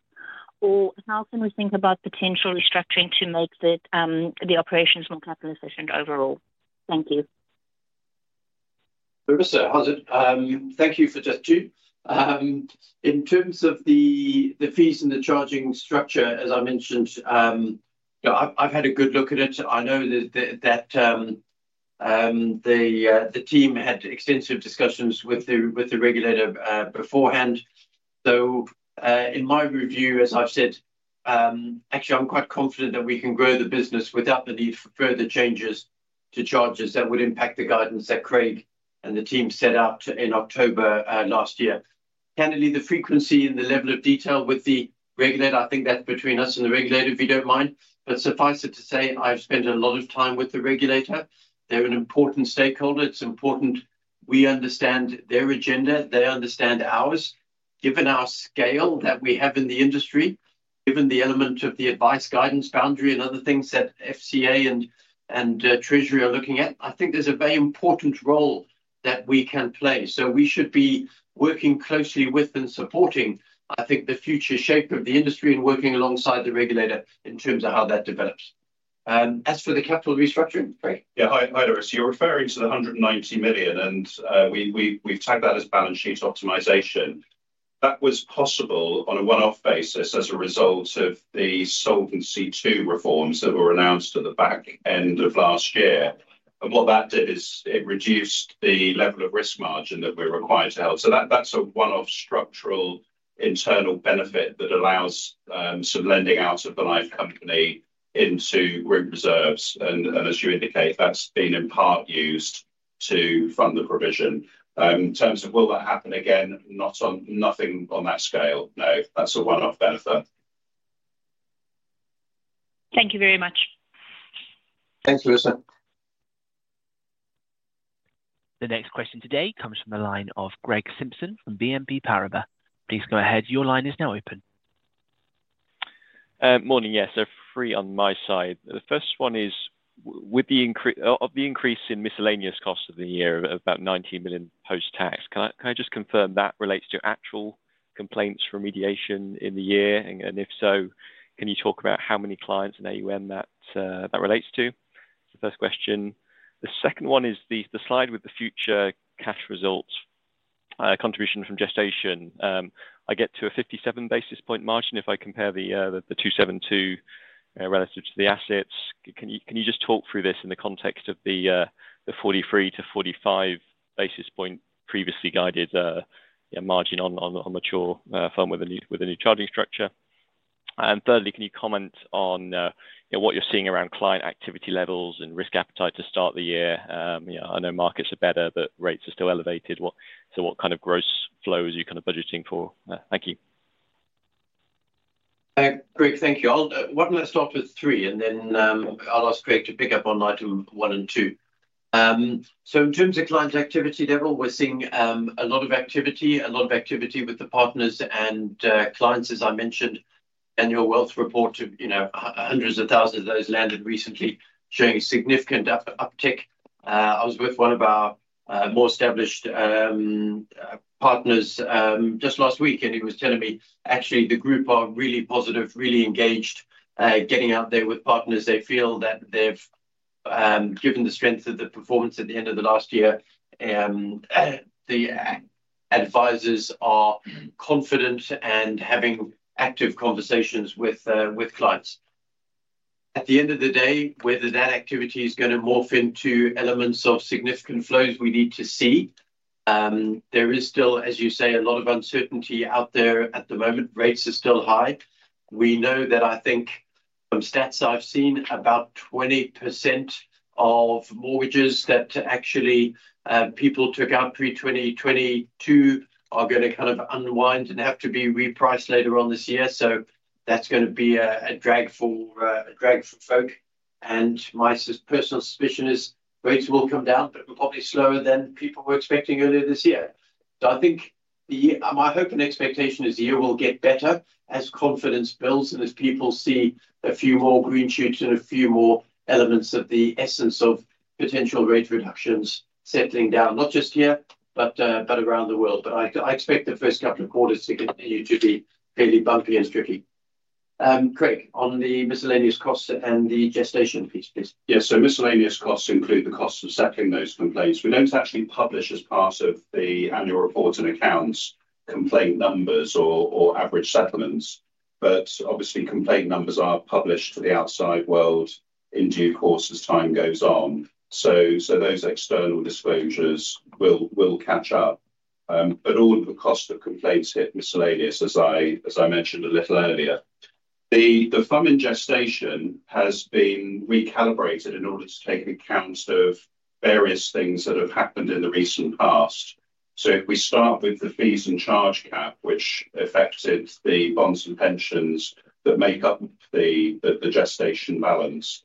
Or how can we think about potential restructuring to make the operations more capital efficient overall? Thank you. Larissa, how's it? Thank you for just two. In terms of the fees and the charging structure, as I mentioned, I've had a good look at it. I know that the team had extensive discussions with the regulator beforehand. So in my review, as I've said, actually, I'm quite confident that we can grow the business without the need for further changes to charges that would impact the guidance that Craig and the team set out in October last year. Candidly, the frequency and the level of detail with the regulator, I think that's between us and the regulator, if you don't mind. But suffice it to say, I've spent a lot of time with the regulator. They're an important stakeholder. It's important we understand their agenda. They understand ours. Given our scale that we have in the industry, given the element of the advice guidance boundary and other things that FCA and Treasury are looking at, I think there's a very important role that we can play. So we should be working closely with and supporting, I think, the future shape of the industry and working alongside the regulator in terms of how that develops. As for the capital restructuring, Craig? Yeah. Hi, Larissa. You're referring to the 190 million. And we've tagged that as balance sheet optimization. That was possible on a one-off basis as a result of the Solvency II reforms that were announced at the back end of last year. And what that did is it reduced the level of risk margin that we're required to held. So that's a one-off structural internal benefit that allows some lending out of the life company into group reserves. And as you indicate, that's been in part used to fund the provision. In terms of will that happen again, nothing on that scale. No. That's a one-off benefit. Thank you very much. Thank you, Larissa. The next question today comes from the line of Greg Simpson from BNP Paribas. Please go ahead. Your line is now open. Morning. Yes. I have three on my side. The first one is, of the increase in miscellaneous costs of the year, about 90 million post-tax, can I just confirm that relates to actual complaints, remediation in the year? And if so, can you talk about how many clients and AUM that relates to? That's the first question. The second one is the slide with the future cash results contribution from gestation. I get to a 57 basis point margin if I compare the 272 relative to the assets. Can you just talk through this in the context of the 43-45 basis points previously guided margin on mature firm with a new charging structure? And thirdly, can you comment on what you're seeing around client activity levels and risk appetite to start the year? I know markets are better, but rates are still elevated. So what kind of gross flow are you kind of budgeting for? Thank you. Great. Thank you. Why don't I start with three, and then I'll ask Craig to pick up on item one and two. So in terms of client activity level, we're seeing a lot of activity, a lot of activity with the partners and clients, as I mentioned. Annual wealth report, hundreds of thousands of those landed recently, showing a significant uptick. I was with one of our more established partners just last week. He was telling me, actually, the group are really positive, really engaged, getting out there with partners. They feel that they've given the strength of the performance at the end of the last year. The advisors are confident and having active conversations with clients. At the end of the day, whether that activity is going to morph into elements of significant flows, we need to see. There is still, as you say, a lot of uncertainty out there at the moment. Rates are still high. We know that, I think, from stats I've seen, about 20% of mortgages that actually people took out pre-2022 are going to kind of unwind and have to be repriced later on this year. So that's going to be a drag for folk. My personal suspicion is rates will come down, but probably slower than people were expecting earlier this year. I think my hope and expectation is the year will get better as confidence builds and as people see a few more green shoots and a few more elements of the essence of potential rate reductions settling down, not just here, but around the world. But I expect the first couple of quarters to continue to be fairly bumpy and tricky. Craig, on the miscellaneous costs and the gestation piece, please. Yeah. So miscellaneous costs include the cost of settling those complaints. We don't actually publish as part of the annual reports and accounts complaint numbers or average settlements. But obviously, complaint numbers are published to the outside world in due course as time goes on. So those external disclosures will catch up. But all of the cost of complaints hit miscellaneous, as I mentioned a little earlier. The firm in gestation has been recalibrated in order to take account of various things that have happened in the recent past. So if we start with the fees and charge cap, which affected the bonds and pensions that make up the gestation balance,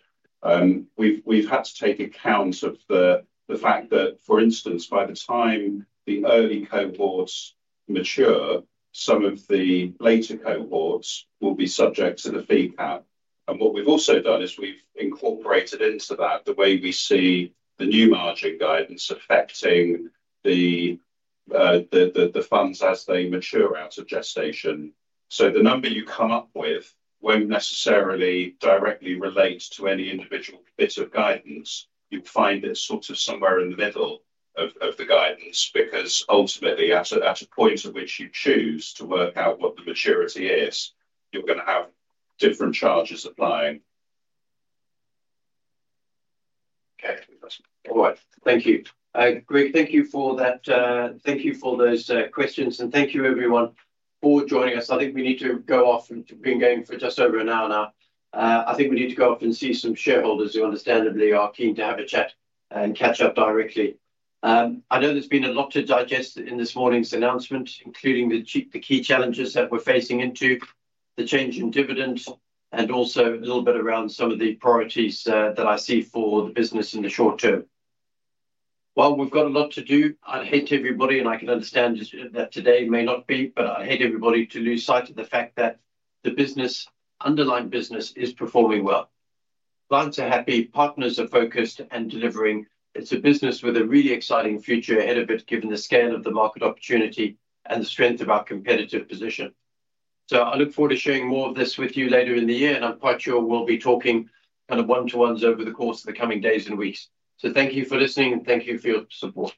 we've had to take account of the fact that, for instance, by the time the early cohorts mature, some of the later cohorts will be subject to the fee cap. And what we've also done is we've incorporated into that the way we see the new margin guidance affecting the funds as they mature out of gestation. So the number you come up with won't necessarily directly relate to any individual bit of guidance. You'll find it sort of somewhere in the middle of the guidance because, ultimately, at a point at which you choose to work out what the maturity is, you're going to have different charges applying. Okay. All right. Thank you. Great. Thank you for that. Thank you for those questions. And thank you, everyone, for joining us. I think we need to go off. We've been going for just over an hour now. I think we need to go off and see some shareholders who, understandably, are keen to have a chat and catch up directly. I know there's been a lot to digest in this morning's announcement, including the key challenges that we're facing into the change in dividend and also a little bit around some of the priorities that I see for the business in the short term. While we've got a lot to do, I'd hate to bore everybody, and I can understand that today may not be, but I'd hate everybody to lose sight of the fact that the underlying business is performing well. Clients are happy. Partners are focused and delivering. It's a business with a really exciting future ahead of it given the scale of the market opportunity and the strength of our competitive position. So I look forward to sharing more of this with you later in the year. And I'm quite sure we'll be talking kind of one-to-ones over the course of the coming days and weeks. So thank you for listening. Thank you for your support.